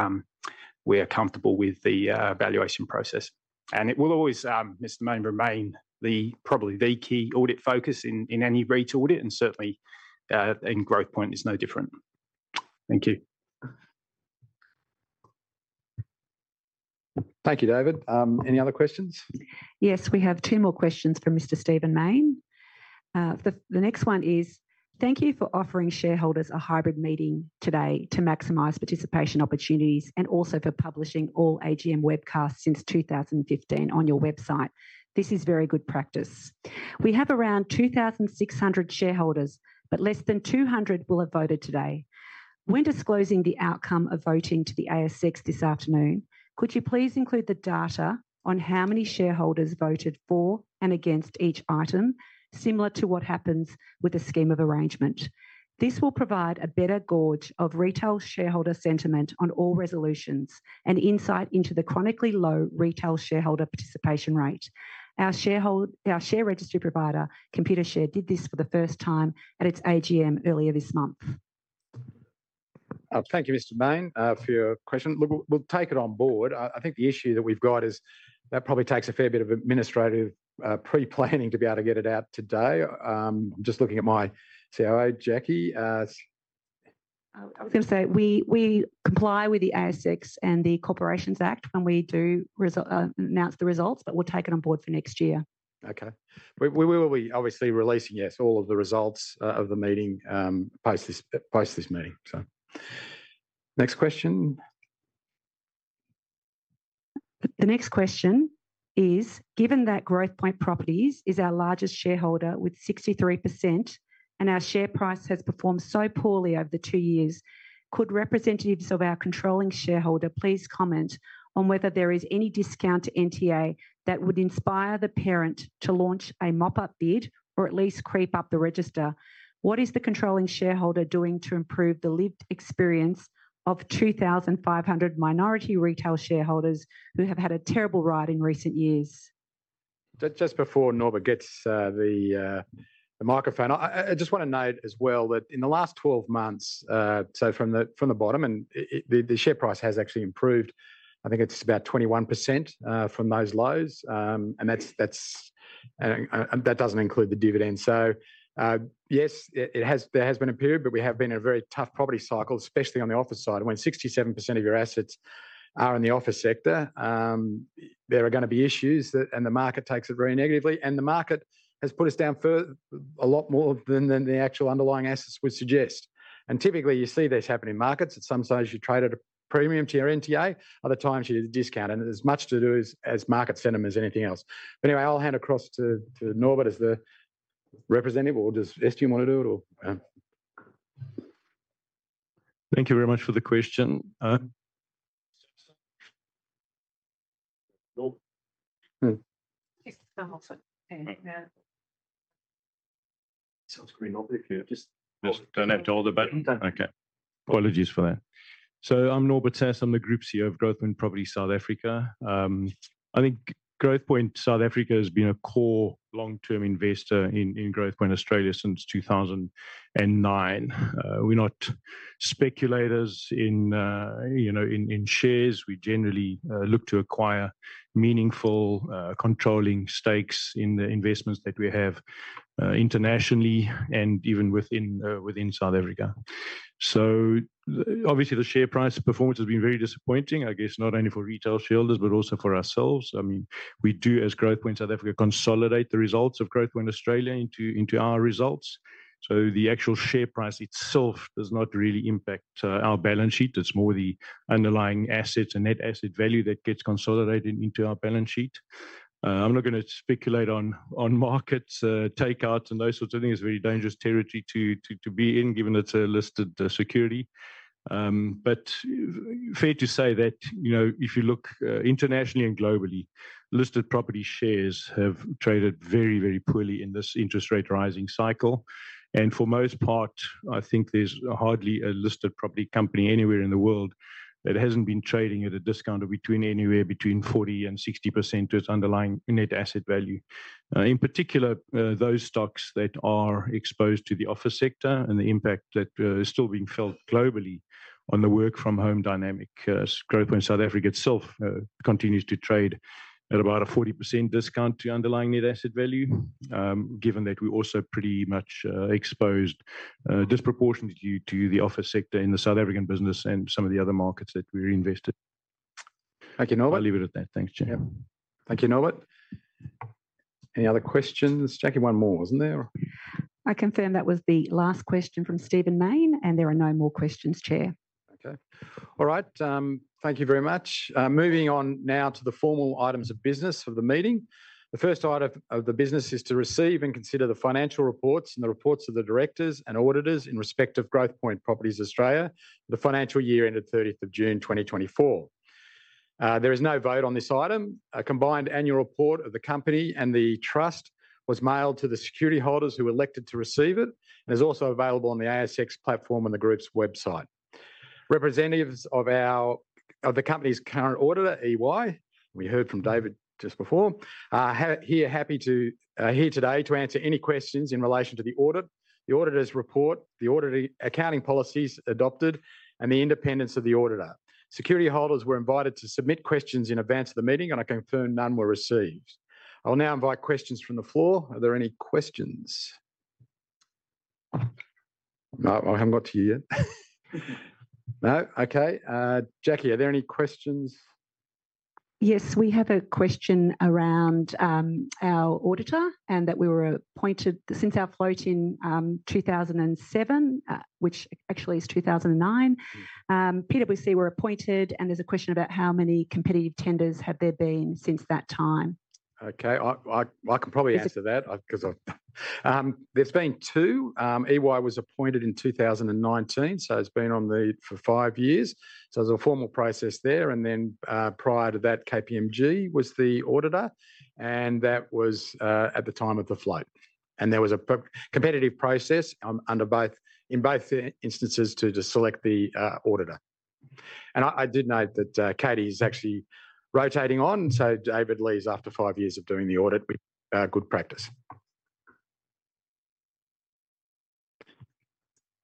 we are comfortable with the valuation process. And it will always, Mr. Mayne, remain probably the key audit focus in any REIT audit, and certainly in Growthpoint is no different. Thank you. Thank you, David. Any other questions? Yes, we have two more questions from Mr. Stephen Mayne. The next one is, thank you for offering shareholders a hybrid meeting today to maximize participation opportunities and also for publishing all AGM webcasts since 2015 on your website. This is very good practice. We have around 2,600 shareholders, but less than 200 will have voted today. When disclosing the outcome of voting to the ASX this afternoon, could you please include the data on how many shareholders voted for and against each item, similar to what happens with a scheme of arrangement? This will provide a better gauge of retail shareholder sentiment on all resolutions and insight into the chronically low retail shareholder participation rate. Our share registry provider, Computershare, did this for the first time at its AGM earlier this month. Thank you, Mr. Mayne, for your question. We'll take it on board. I think the issue that we've got is that probably takes a fair bit of administrative pre-planning to be able to get it out today. I'm just looking at my COO, Jacquee. I was going to say we comply with the ASX and the Corporations Act when we do announce the results, but we'll take it on board for next year. Okay. We will be obviously releasing, yes, all of the results of the meeting post this meeting. Next question. The next question is, given that Growthpoint Properties is our largest shareholder with 63% and our share price has performed so poorly over the two years, could representatives of our controlling shareholder please comment on whether there is any discount to NTA that would inspire the parent to launch a mop-up bid or at least creep up the register? What is the controlling shareholder doing to improve the lived experience of 2,500 minority retail shareholders who have had a terrible ride in recent years? Just before Norbert gets the microphone, I just want to note as well that in the last 12 months, so from the bottom, and the share price has actually improved. I think it's about 21% from those lows, and that doesn't include the dividend. So yes, there has been a period, but we have been in a very tough property cycle, especially on the office side. When 67% of your assets are in the office sector, there are going to be issues and the market takes it very negatively. And the market has put us down a lot more than the actual underlying assets would suggest. And typically, you see this happen in markets. At some stages, you trade at a premium to your NTA. Other times, you discount. And there's much to do as markets send them as anything else. But anyway, I'll hand across to Norbert as the representative. Or does Estienne want to do it? Thank you very much for the question. Don't have to hold the button. Okay. Apologies for that. So I'm Norbert Sasse. I'm the Group CEO of Growthpoint Properties South Africa. I think Growthpoint South Africa has been a core long-term investor in Growthpoint Australia since 2009. We're not speculators in shares. We generally look to acquire meaningful controlling stakes in the investments that we have internationally and even within South Africa. So obviously, the share price performance has been very disappointing, I guess, not only for retail shareholders, but also for ourselves. I mean, we do, as Growthpoint South Africa, consolidate the results of Growthpoint Australia into our results. So the actual share price itself does not really impact our balance sheet. It's more the underlying assets and net asset value that gets consolidated into our balance sheet. I'm not going to speculate on markets, takeouts, and those sorts of things. It's a very dangerous territory to be in, given it's a listed security. But fair to say that if you look internationally and globally, listed property shares have traded very, very poorly in this interest rate rising cycle. And for most part, I think there's hardly a listed property company anywhere in the world that hasn't been trading at a discount of anywhere between 40%-60% to its underlying net asset value. In particular, those stocks that are exposed to the office sector and the impact that is still being felt globally on the work-from-home dynamic. Growthpoint South Africa itself continues to trade at about a 40% discount to underlying net asset value, given that we're also pretty much exposed disproportionately to the office sector in the South African business and some of the other markets that we're invested. Thank you, Norbert. I'll leave it at that. Thanks, Chair. Thank you, Norbert. Any other questions? Jacquee, one more, wasn't there? I confirm that was the last question from Stephen Mayne, and there are no more questions, Chair. Okay. All right. Thank you very much. Moving on now to the formal items of business of the meeting. The first item of the business is to receive and consider the financial reports and the reports of the directors and auditors in respect of Growthpoint Properties Australia, the financial year ended 30th of June 2024. There is no vote on this item. A combined annual report of the company and the trust was mailed to the security holders who elected to receive it and is also available on the ASX platform and the group's website. Representatives of the company's current auditor, EY, we heard from David just before, here today to answer any questions in relation to the audit, the auditor's report, the audited accounting policies adopted, and the independence of the auditor. Security holders were invited to submit questions in advance of the meeting, and I confirm none were received. I'll now invite questions from the floor. Are there any questions? No, I haven't got to you yet. No? Okay. Jacquee, are there any questions? Yes, we have a question around our auditor and that we were appointed since our float in 2007, which actually is 2009. PwC were appointed, and there's a question about how many competitive tenders have there been since that time. Okay. I can probably answer that because there's been two. EY was appointed in 2019, so it's been on for five years. So there's a formal process there, and then prior to that, KPMG was the auditor, and that was at the time of the float, and there was a competitive process in both instances to select the auditor. I did note that Katie is actually rotating on, so David leaves after five years of doing the audit with good practice.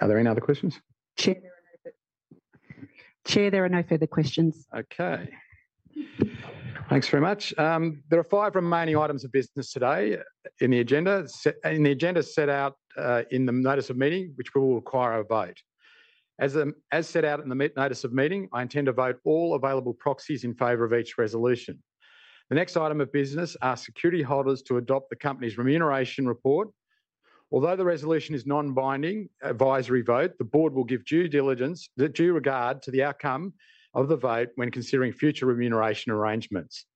Are there any other questions? Chair, there are no further questions. Okay. Thanks very much. There are five remaining items of business today in the agenda set out in the notice of meeting, which will require a vote. As set out in the notice of meeting, I intend to vote all available proxies in favor of each resolution. The next item of business is for security holders to adopt the company's remuneration report. Although the resolution is non-binding, advisory vote, the board will give due regard to the outcome of the vote when considering future remuneration arrangements.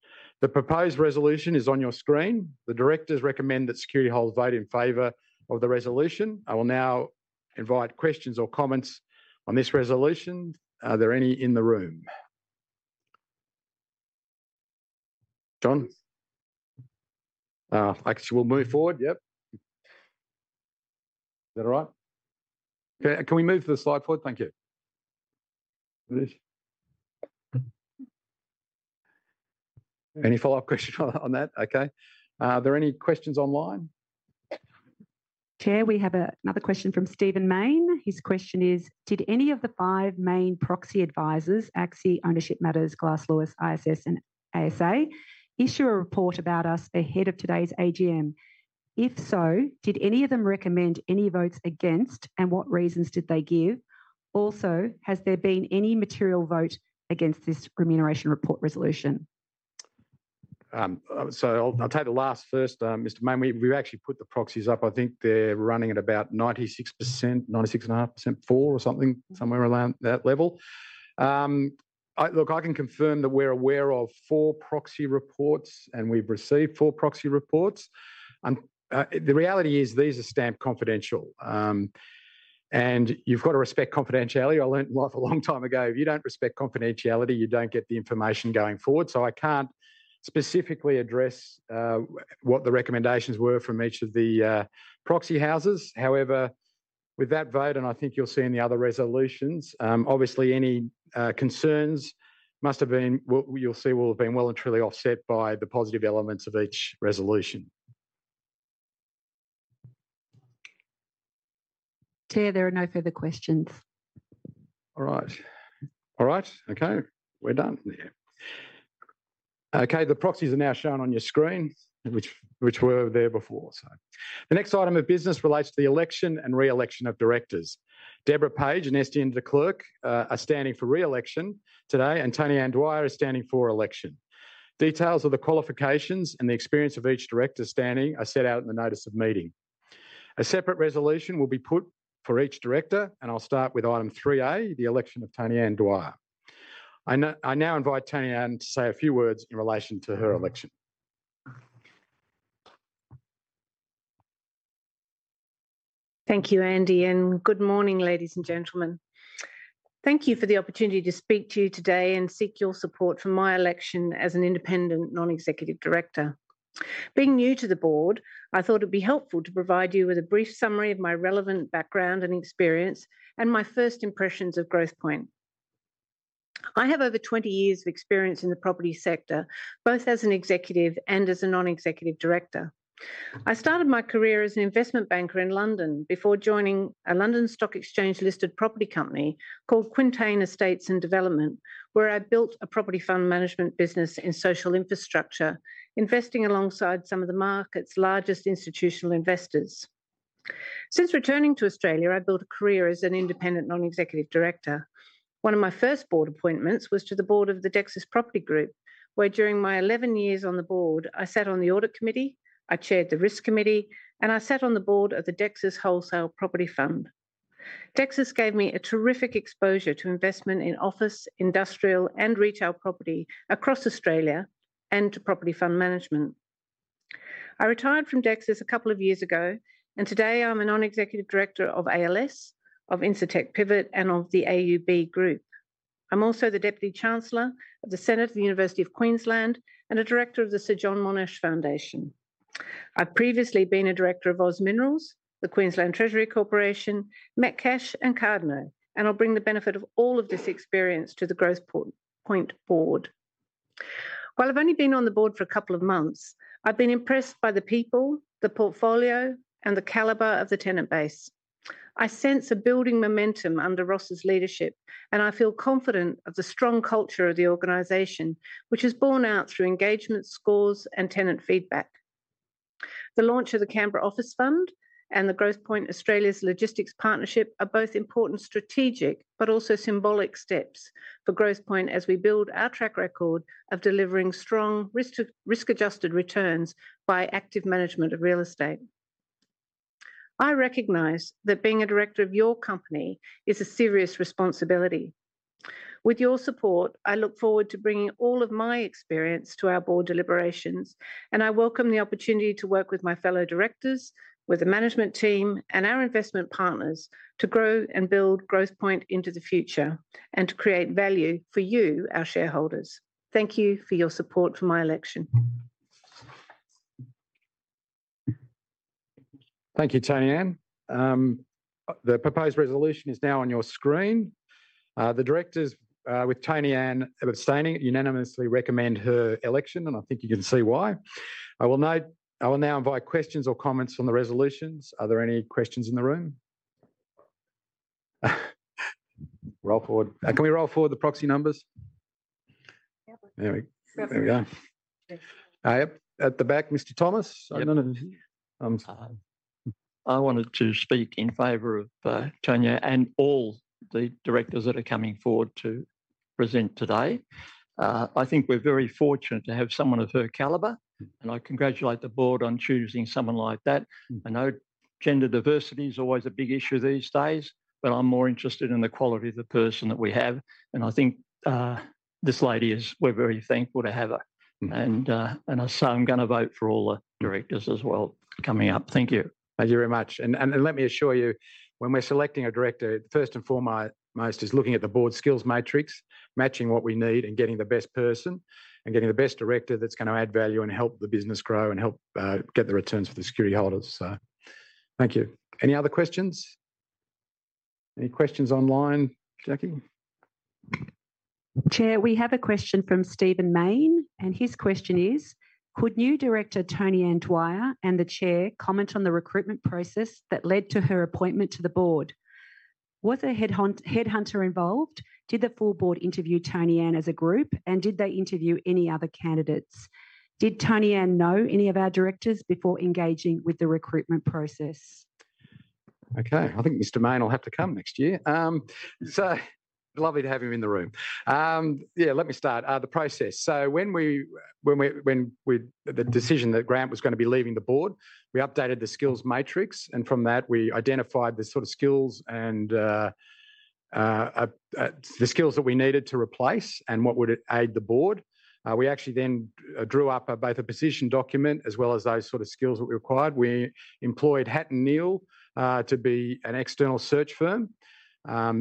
The proposed resolution is on your screen. The directors recommend that security holders vote in favor of the resolution. I will now invite questions or comments on this resolution. Are there any in the room? John? We'll move forward. Yep. Is that all right? Can we move to the slide forward? Thank you. Any follow-up questions on that? Okay. Are there any questions online? Chair, we have another question from Stephen Mayne. His question is, did any of the five main proxy advisors, ACSI, Ownership Matters, Glass Lewis, ISS, and ASA, issue a report about us ahead of today's AGM? If so, did any of them recommend any votes against, and what reasons did they give? Also, has there been any material vote against this remuneration report resolution? So I'll take the last first, Mr. Mayne. We actually put the proxies up. I think they're running at about 96%, 96.5%, 4% or something, somewhere around that level. Look, I can confirm that we're aware of four proxy reports, and we've received four proxy reports. The reality is these are stamped confidential, and you've got to respect confidentiality. I learned life a long time ago. If you don't respect confidentiality, you don't get the information going forward. So I can't specifically address what the recommendations were from each of the proxy houses. However, with that vote, and I think you'll see in the other resolutions, obviously, any concerns must have been what you'll see will have been well and truly offset by the positive elements of each resolution. Chair, there are no further questions. All right. All right. Okay. We're done. Okay. The proxies are now shown on your screen, which were there before. The next item of business relates to the election and re-election of directors. Deborah Page and Estienne de Klerk are standing for re-election today, and Tonianne Dwyer is standing for election. Details of the qualifications and the experience of each director standing are set out in the notice of meeting. A separate resolution will be put for each director, and I'll start with item 3A, the election of Tonianne Dwyer. I now invite Tonianne to say a few words in relation to her election. Thank you, Andy. And good morning, ladies and gentlemen. Thank you for the opportunity to speak to you today and seek your support for my election as an independent non-executive director. Being new to the board, I thought it would be helpful to provide you with a brief summary of my relevant background and experience and my first impressions of Growthpoint. I have over 20 years of experience in the property sector, both as an executive and as a non-executive director. I started my career as an investment banker in London before joining a London Stock Exchange-listed property company called Quintain Estates and Development, where I built a property fund management business in social infrastructure, investing alongside some of the market's largest institutional investors. Since returning to Australia, I built a career as an independent non-executive director. One of my first board appointments was to the board of the Dexus Property Group, where during my 11 years on the board, I sat on the audit committee, I chaired the risk committee, and I sat on the board of the Dexus Wholesale Property Fund. Dexus gave me a terrific exposure to investment in office, industrial, and retail property across Australia and to property fund management. I retired from Dexus a couple of years ago, and today I'm a non-executive director of ALS, of Incitec Pivot, and of the AUB Group. I'm also the Deputy Chancellor of the Senate of the University of Queensland and a director of the Sir John Monash Foundation. I've previously been a director of OZ Minerals, the Queensland Treasury Corporation, Metcash, and Cardno, and I'll bring the benefit of all of this experience to the Growthpoint board. While I've only been on the board for a couple of months, I've been impressed by the people, the portfolio, and the caliber of the tenant base. I sense a building momentum under Ross's leadership, and I feel confident of the strong culture of the organization, which is borne out through engagement scores and tenant feedback. The launch of the Canberra Office Fund and the Growthpoint Australia's Logistics Partnership are both important strategic, but also symbolic steps for Growthpoint as we build our track record of delivering strong risk-adjusted returns by active management of real estate. I recognize that being a director of your company is a serious responsibility. With your support, I look forward to bringing all of my experience to our board deliberations, and I welcome the opportunity to work with my fellow directors, with the management team, and our investment partners to grow and build Growthpoint into the future and to create value for you, our shareholders. Thank you for your support for my election. Thank you, Tonianne. The proposed resolution is now on your screen. The directors with Tonianne abstaining unanimously recommend her election, and I think you can see why. I will now invite questions or comments on the resolutions. Are there any questions in the room? Roll forward. Can we roll forward the proxy numbers? There we go. At the back, Mr. Thomas. I wanted to speak in favor of Tonianne and all the directors that are coming forward to present today. I think we're very fortunate to have someone of her caliber, and I congratulate the board on choosing someone like that. I know gender diversity is always a big issue these days, but I'm more interested in the quality of the person that we have. And I think this lady is. We're very thankful to have her. And so I'm going to vote for all the directors as well coming up. Thank you. Thank you very much. And let me assure you, when we're selecting a director, first and foremost is looking at the board skills matrix, matching what we need and getting the best person and getting the best director that's going to add value and help the business grow and help get the returns for the security holders. So thank you. Any other questions? Any questions online, Jacquee? Chair, we have a question from Stephen Mayne, and his question is, could new director Tonianne Dwyer and the chair comment on the recruitment process that led to her appointment to the board? Was a headhunter involved? Did the full board interview Tonianne Dwyer as a group, and did they interview any other candidates? Did Tonianne Dwyer know any of our directors before engaging with the recruitment process? Okay. I think Mr. Mayne will have to come next year. So lovely to have him in the room. Yeah, let me start the process. So when the decision that Grant was going to be leaving the board, we updated the skills matrix, and from that, we identified the sort of skills and the skills that we needed to replace and what would aid the board. We actually then drew up both a position document as well as those sort of skills that we required. We employed Hattonneale to be an external search firm.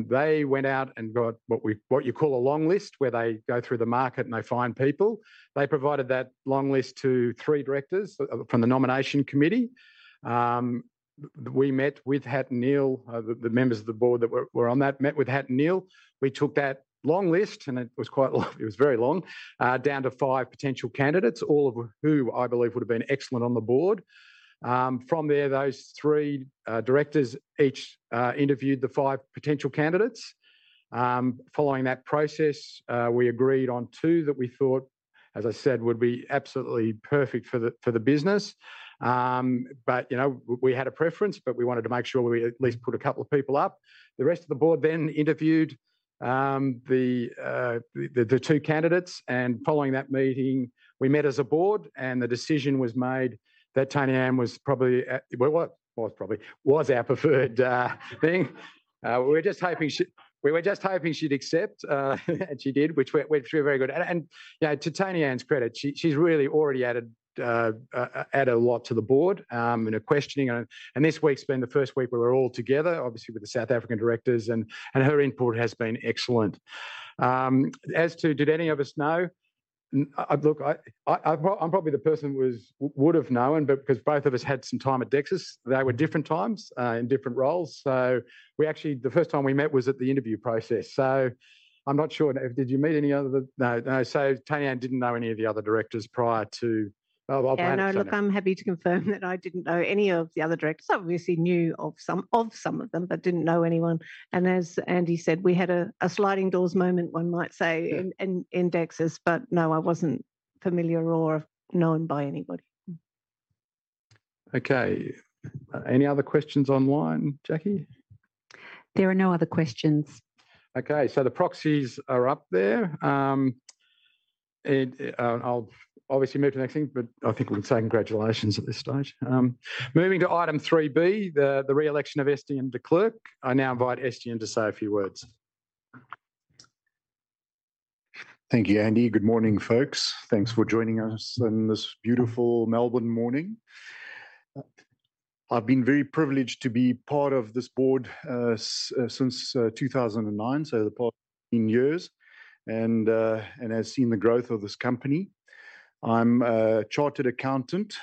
They went out and got what you call a long list where they go through the market and they find people. They provided that long list to three directors from the nomination committee. We met with Hattonneale. The members of the board that were on that met with Hattonneale. We took that long list, and it was quite long. It was very long, down to five potential candidates, all of whom I believe would have been excellent on the board. From there, those three directors each interviewed the five potential candidates. Following that process, we agreed on two that we thought, as I said, would be absolutely perfect for the business. We had a preference, but we wanted to make sure we at least put a couple of people up. The rest of the board then interviewed the two candidates. Following that meeting, we met as a board, and the decision was made that Tonianne was probably our preferred thing. We were just hoping she'd accept, and she did, which went very good. To Tonianne's credit, she's really already added a lot to the board in her questioning. This week's been the first week we were all together, obviously, with the South African directors, and her input has been excellent. As to, did any of us know? Look, I'm probably the person who would have known, but because both of us had some time at Dexus, they were different times in different roles. So we actually, the first time we met was at the interview process. So I'm not sure. Did you meet any other? No. So Tonianne didn't know any of the other directors prior to our planning? No, look, I'm happy to confirm that I didn't know any of the other directors. Obviously, I knew of some of them, but didn't know anyone. And as Andy said, we had a sliding doors moment, one might say, in Dexus, but no, I wasn't familiar or known by anybody. Okay. Any other questions online, Jacquee? There are no other questions. Okay. So the proxies are up there. I'll obviously move to the next thing, but I think we can say congratulations at this stage. Moving to item 3B, the re-election of Estienne de Klerk. I now invite Estienne to say a few words. Thank you, Andy. Good morning, folks. Thanks for joining us on this beautiful Melbourne morning. I've been very privileged to be part of this board since 2009, so the past 18 years, and have seen the growth of this company. I'm a chartered accountant,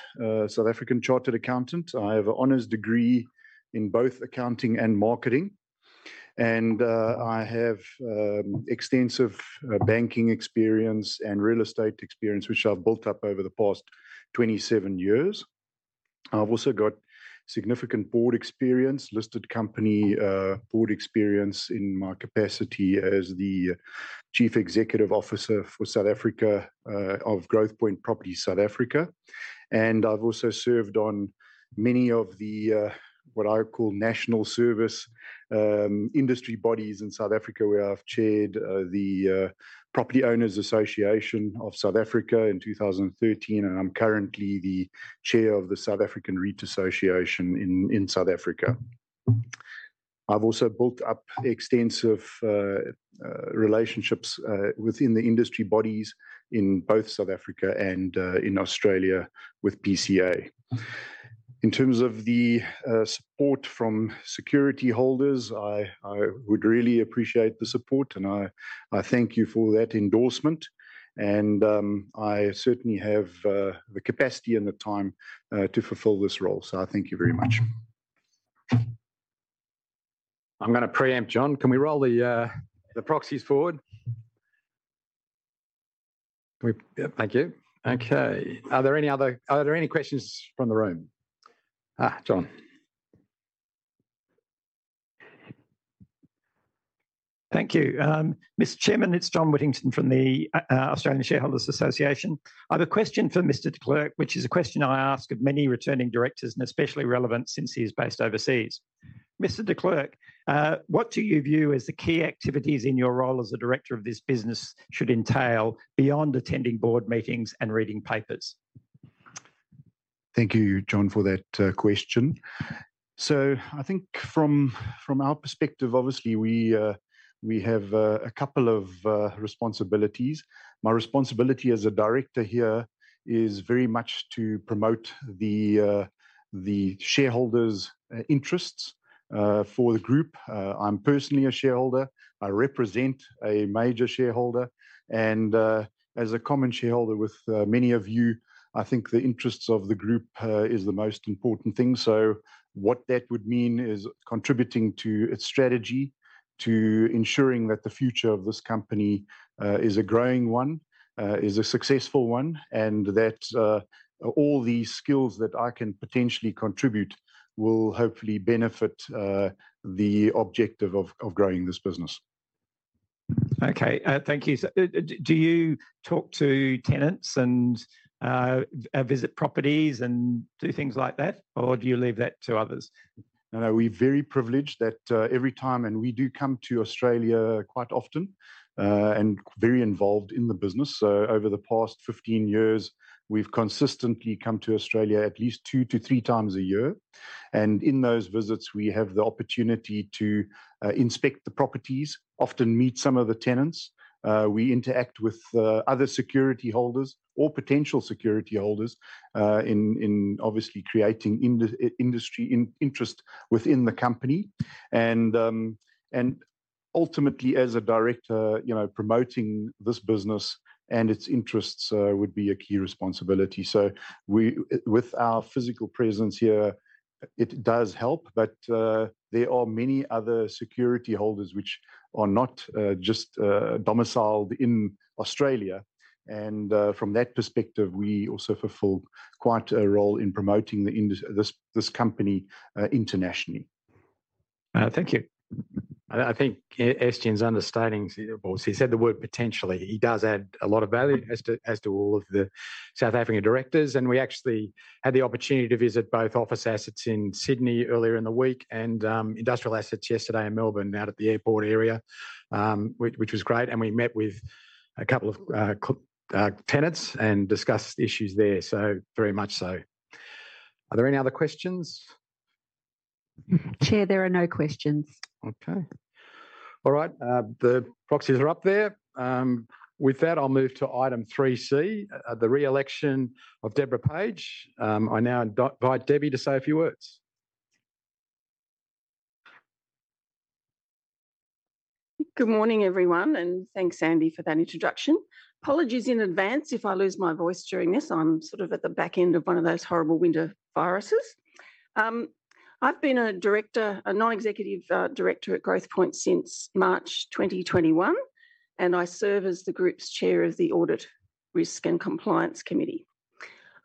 South African chartered accountant. I have an honors degree in both accounting and marketing, and I have extensive banking experience and real estate experience, which I've built up over the past 27 years. I've also got significant board experience, listed company board experience in my capacity as the Chief Executive Officer for South Africa of Growthpoint Properties South Africa, and I've also served on many of the what I call national service industry bodies in South Africa, where I've chaired the Property Owners Association of South Africa in 2013, and I'm currently the chair of the South African REIT Association in South Africa. I've also built up extensive relationships within the industry bodies in both South Africa and in Australia with PCA. In terms of the support from security holders, I would really appreciate the support, and I thank you for that endorsement. And I certainly have the capacity and the time to fulfill this role. So I thank you very much. I'm going to preempt John. Can we roll the proxies forward? Thank you. Okay. Are there any other questions from the room? John. Thank you. Ms. Chairman, it's John Whittington from the Australian Shareholders' Association. I have a question for Mr. de Klerk, which is a question I ask of many returning directors and especially relevant since he is based overseas. Mr. De Klerk, what do you view as the key activities in your role as a director of this business should entail beyond attending board meetings and reading papers? Thank you, John, for that question. So I think from our perspective, obviously, we have a couple of responsibilities. My responsibility as a director here is very much to promote the shareholders' interests for the group. I'm personally a shareholder. I represent a major shareholder. And as a common shareholder with many of you, I think the interests of the group is the most important thing. So what that would mean is contributing to its strategy, to ensuring that the future of this company is a growing one, is a successful one, and that all the skills that I can potentially contribute will hopefully benefit the objective of growing this business. Okay. Thank you. Do you talk to tenants and visit properties and do things like that, or do you leave that to others? No, no. We're very privileged that every time and we do come to Australia quite often and very involved in the business. So over the past 15 years, we've consistently come to Australia at least two to three times a year. And in those visits, we have the opportunity to inspect the properties, often meet some of the tenants. We interact with other security holders or potential security holders in obviously creating industry interest within the company. And ultimately, as a director, promoting this business and its interests would be a key responsibility. So with our physical presence here, it does help, but there are many other security holders which are not just domiciled in Australia. From that perspective, we also fulfill quite a role in promoting this company internationally. Thank you. I think Estienne's understating. He said the word potentially. He does add a lot of value as do all of the South African directors. We actually had the opportunity to visit both office assets in Sydney earlier in the week and industrial assets yesterday in Melbourne out at the airport area, which was great. We met with a couple of tenants and discussed issues there. So very much so. Are there any other questions? Chair, there are no questions. Okay. All right. The proxies are up there. With that, I'll move to item 3C, the re-election of Deborah Page. I now invite Debbie to say a few words. Good morning, everyone. Thanks, Andy, for that introduction. Apologies in advance if I lose my voice during this. I'm sort of at the back end of one of those horrible winter viruses. I've been a director, a non-executive director at Growthpoint since March 2021, and I serve as the group's chair of the Audit Risk and Compliance Committee.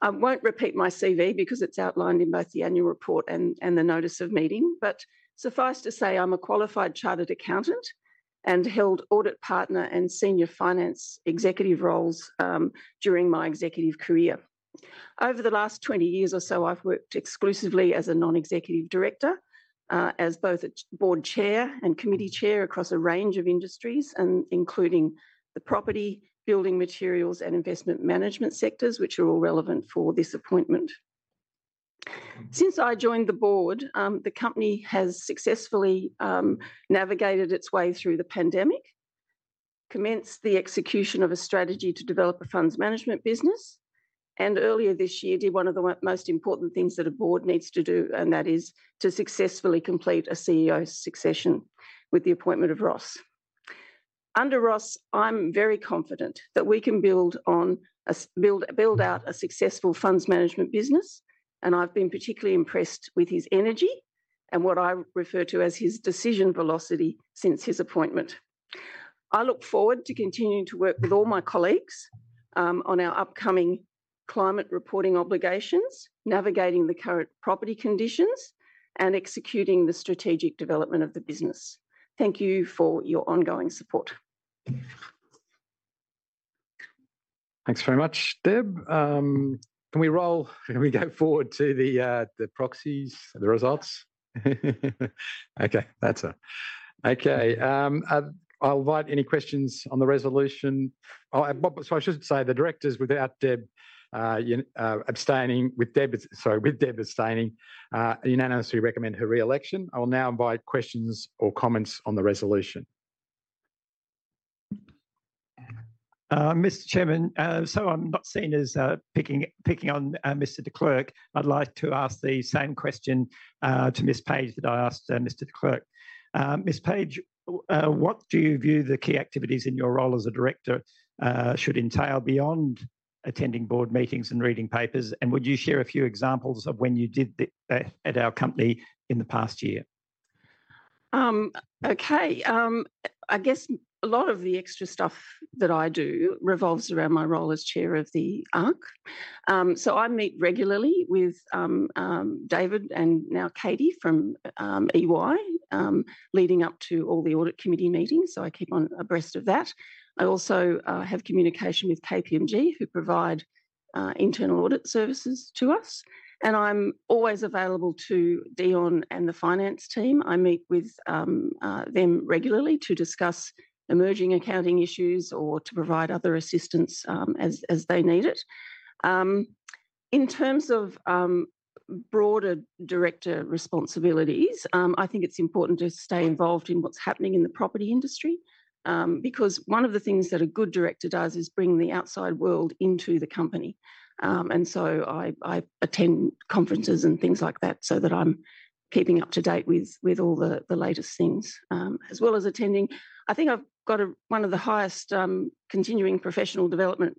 I won't repeat my CV because it's outlined in both the annual report and the notice of meeting, but suffice to say I'm a qualified chartered accountant and held audit partner and senior finance executive roles during my executive career. Over the last 20 years or so, I've worked exclusively as a non-executive director, as both a board chair and committee chair across a range of industries, including the property, building materials, and investment management sectors, which are all relevant for this appointment. Since I joined the board, the company has successfully navigated its way through the pandemic, commenced the execution of a strategy to develop a funds management business, and earlier this year did one of the most important things that a board needs to do, and that is to successfully complete a CEO succession with the appointment of Ross. Under Ross, I'm very confident that we can build out a successful funds management business, and I've been particularly impressed with his energy and what I refer to as his decision velocity since his appointment. I look forward to continuing to work with all my colleagues on our upcoming climate reporting obligations, navigating the current property conditions, and executing the strategic development of the business. Thank you for your ongoing support. Thanks very much, Deb. Can we roll? Can we go forward to the proxies, the results? Okay. Okay. I'll invite any questions on the resolution. So I should say the directors without Deb abstaining with Deb, sorry, with Deb abstaining, unanimously recommend her re-election. I will now invite questions or comments on the resolution. Ms. Chairman, so I'm not seen as picking on Mr. de Klerk. I'd like to ask the same question to Ms. Page that I asked Mr. de Klerk. Ms. Page, what do you view the key activities in your role as a director should entail beyond attending board meetings and reading papers? And would you share a few examples of when you did that at our company in the past year? Okay. I guess a lot of the extra stuff that I do revolves around my role as chair of the ARC. So I meet regularly with David and now Katie from EY leading up to all the audit committee meetings. So I keep abreast of that. I also have communication with KPMG, who provide internal audit services to us. And I'm always available to Dion and the finance team. I meet with them regularly to discuss emerging accounting issues or to provide other assistance as they need it. In terms of broader director responsibilities, I think it's important to stay involved in what's happening in the property industry because one of the things that a good director does is bring the outside world into the company. And so I attend conferences and things like that so that I'm keeping up to date with all the latest things as well as attending. I think I've got one of the highest continuing professional development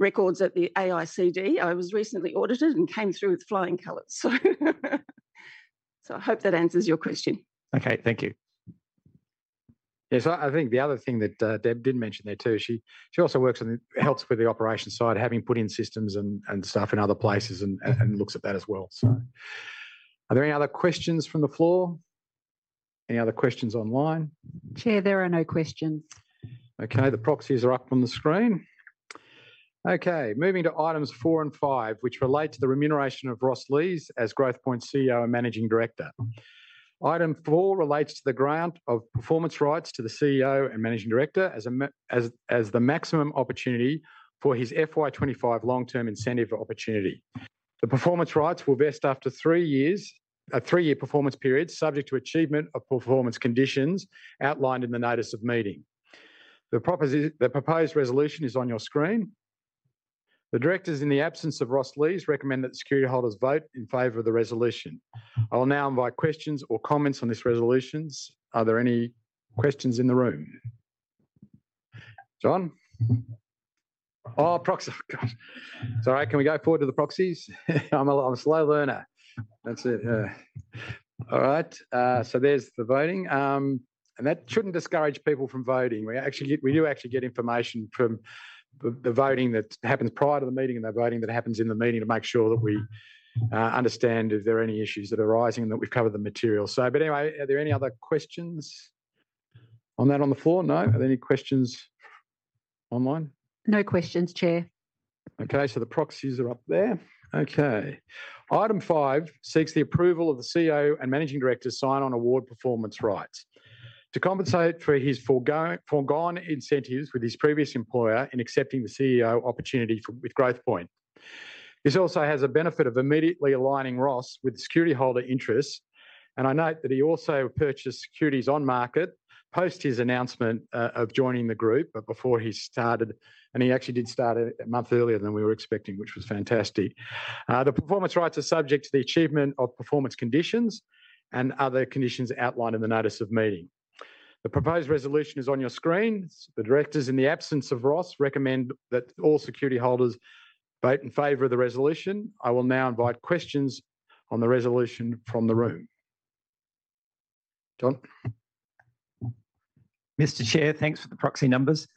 records at the AICD. I was recently audited and came through with flying colors. So I hope that answers your question. Okay. Thank you. Yes. I think the other thing that Deb did mention there too, she also works on and helps with the operations side, having put in systems and stuff in other places and looks at that as well. So are there any other questions from the floor? Any other questions online? Chair, there are no questions. Okay. The proxies are up on the screen. Okay. Moving to items four and five, which relate to the remuneration of Ross Lees as Growthpoint's CEO and Managing Director. Item four relates to the grant of performance rights to the CEO and Managing Director as the maximum opportunity for his FY 2025 long-term incentive opportunity. The performance rights will vest after a three-year performance period subject to achievement of performance conditions outlined in the notice of meeting. The proposed resolution is on your screen. The directors, in the absence of Ross Lees, recommend that security holders vote in favor of the resolution. I will now invite questions or comments on this resolution. Are there any questions in the room? John? Oh, proxies. Sorry. Can we go forward to the proxies? I'm a slow learner. That's it. All right, so there's the voting, and that shouldn't discourage people from voting. We do actually get information from the voting that happens prior to the meeting and the voting that happens in the meeting to make sure that we understand if there are any issues that are arising and that we've covered the material, but anyway, are there any other questions on that on the floor? No? Are there any questions online? No questions, Chair. Okay. So the proxies are up there. Okay. Item five seeks the approval of the CEO and Managing Director's sign-on award performance rights to compensate for his foregone incentives with his previous employer in accepting the CEO opportunity with Growthpoint. This also has a benefit of immediately aligning Ross with security holder interests, and I note that he also purchased securities on market post his announcement of joining the group before he started, and he actually did start a month earlier than we were expecting, which was fantastic. The performance rights are subject to the achievement of performance conditions and other conditions outlined in the notice of meeting. The proposed resolution is on your screen. The directors, in the absence of Ross, recommend that all security holders vote in favor of the resolution. I will now invite questions on the resolution from the room. John. Mr. Chair, thanks for the proxy numbers.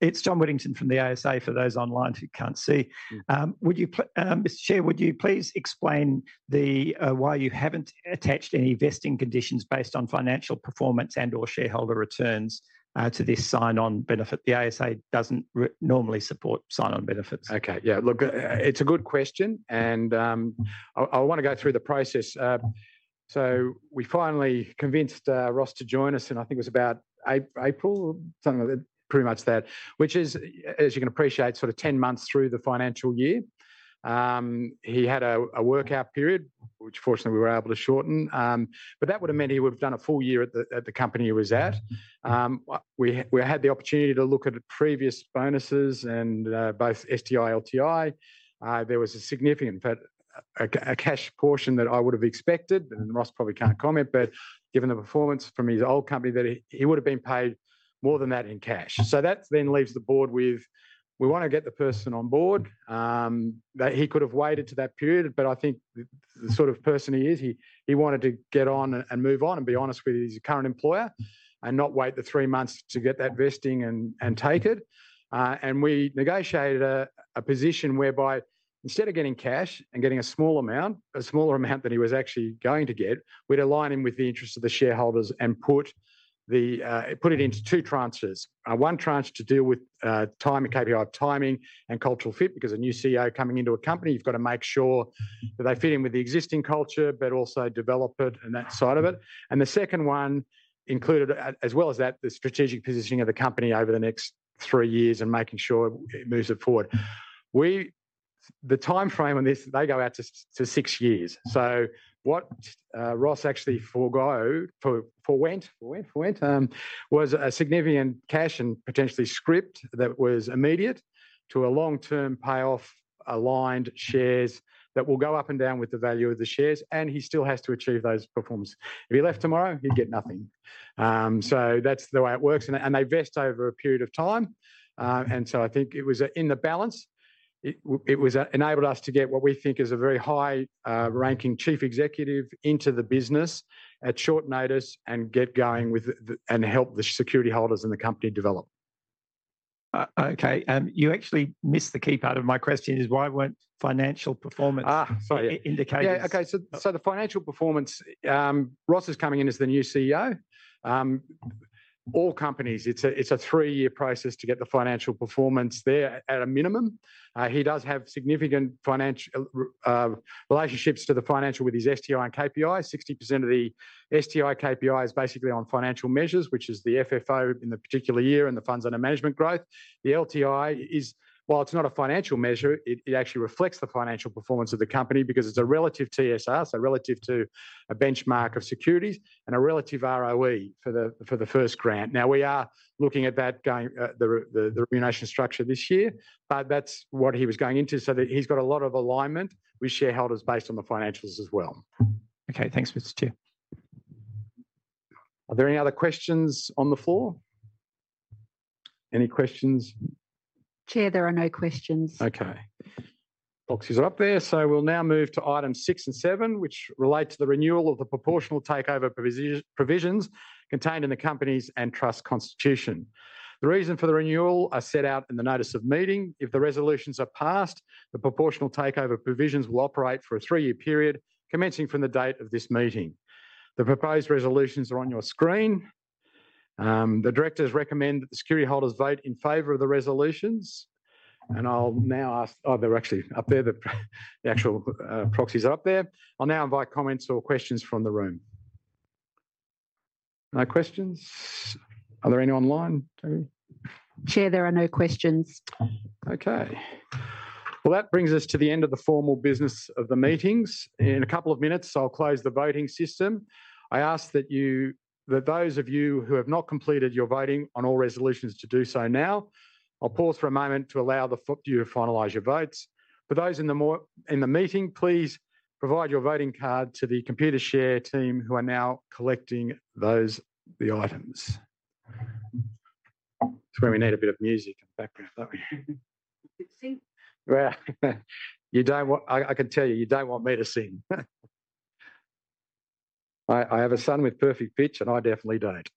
It's John Whittington from the ASA for those online who can't see. Mr. Chair, would you please explain why you haven't attached any vesting conditions based on financial performance and/or shareholder returns to this sign-on benefit? The ASA doesn't normally support sign-on benefits. Okay. Yeah. Look, it's a good question, and I want to go through the process, so we finally convinced Ross to join us, and I think it was about April, something pretty much that, which is, as you can appreciate, sort of 10 months through the financial year. He had a workout period, which fortunately we were able to shorten. But that would have meant he would have done a full year at the company he was at. We had the opportunity to look at previous bonuses and both STI, LTI. There was a significant cash portion that I would have expected. And Ross probably can't comment, but given the performance from his old company, that he would have been paid more than that in cash. So that then leaves the board with, we want to get the person on board. He could have waited to that period, but I think the sort of person he is, he wanted to get on and move on and be honest with his current employer and not wait the three months to get that vesting and take it. And we negotiated a position whereby instead of getting cash and getting a smaller amount, a smaller amount than he was actually going to get, we'd align him with the interests of the shareholders and put it into two tranches. One tranche to deal with KPI of timing and cultural fit because a new CEO coming into a company. You've got to make sure that they fit in with the existing culture, but also develop it and that side of it. The second one included, as well as that, the strategic positioning of the company over the next three years and making sure it moves it forward. The timeframe on this, they go out to six years. What Ross actually forwent was a significant cash and potentially scrip that was immediate to a long-term payoff aligned shares that will go up and down with the value of the shares, and he still has to achieve those performances. If he left tomorrow, he'd get nothing. That's the way it works. They vest over a period of time. I think it was in the balance. It was enabled us to get what we think is a very high-ranking chief executive into the business at short notice and get going with and help the security holders and the company develop. Okay. You actually missed the key part of my question is why weren't financial performance indicators? Yeah. Okay. So the financial performance, Ross is coming in as the new CEO. All companies, it's a three-year process to get the financial performance there at a minimum. He does have significant relationships to the financial with his STI and KPI. 60% of the STI KPI is basically on financial measures, which is the FFO in the particular year and the funds under management growth. The LTI, while it's not a financial measure, it actually reflects the financial performance of the company because it's a relative TSR, so relative to a benchmark of securities and a relative ROE for the first grant. Now, we are looking at that, the remuneration structure this year, but that's what he was going into. So he's got a lot of alignment with shareholders based on the financials as well. Okay. Thanks, Mr. Chair. Are there any other questions on the floor? Any questions? Chair, there are no questions. Okay. Proxies are up there. So we'll now move to items six and seven, which relate to the renewal of the proportional takeover provisions contained in the company's and trust constitution. The reason for the renewal is set out in the notice of meeting. If the resolutions are passed, the proportional takeover provisions will operate for a three-year period commencing from the date of this meeting. The proposed resolutions are on your screen. The directors recommend that the security holders vote in favor of the resolutions and I'll now ask. Oh, they're actually up there. The actual proxies are up there. I'll now invite comments or questions from the room. No questions? Are there any online? Chair, there are no questions. Okay, well, that brings us to the end of the formal business of the meetings. In a couple of minutes, I'll close the voting system. I ask that those of you who have not completed your voting on all resolutions to do so now. I'll pause for a moment to allow you to finalize your votes. For those in the meeting, please provide your voting card to the Computershare team who are now collecting the items. That's where we need a bit of music in the background, don't we? You don't want, I can tell you, you don't want me to sing. I have a son with perfect pitch, and I definitely don't.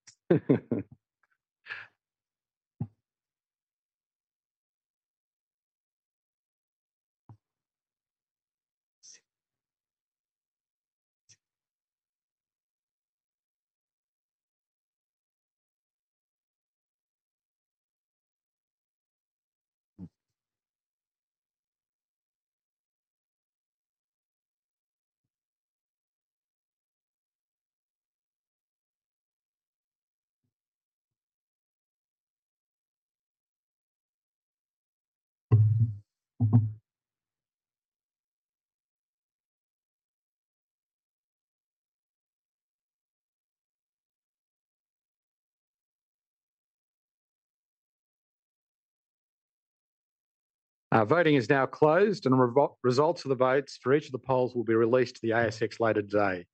Voting is now closed, and results of the votes for each of the polls will be released to the ASX later today.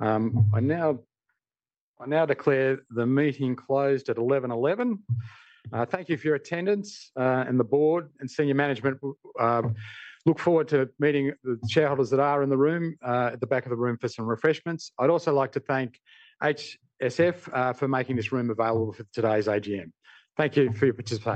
I now declare the meeting closed at 11:11 A.M. Thank you for your attendance, and the board and senior management. Look forward to meeting the shareholders that are in the room at the back of the room for some refreshments. I'd also like to thank HSF for making this room available for today's AGM. Thank you for your participation.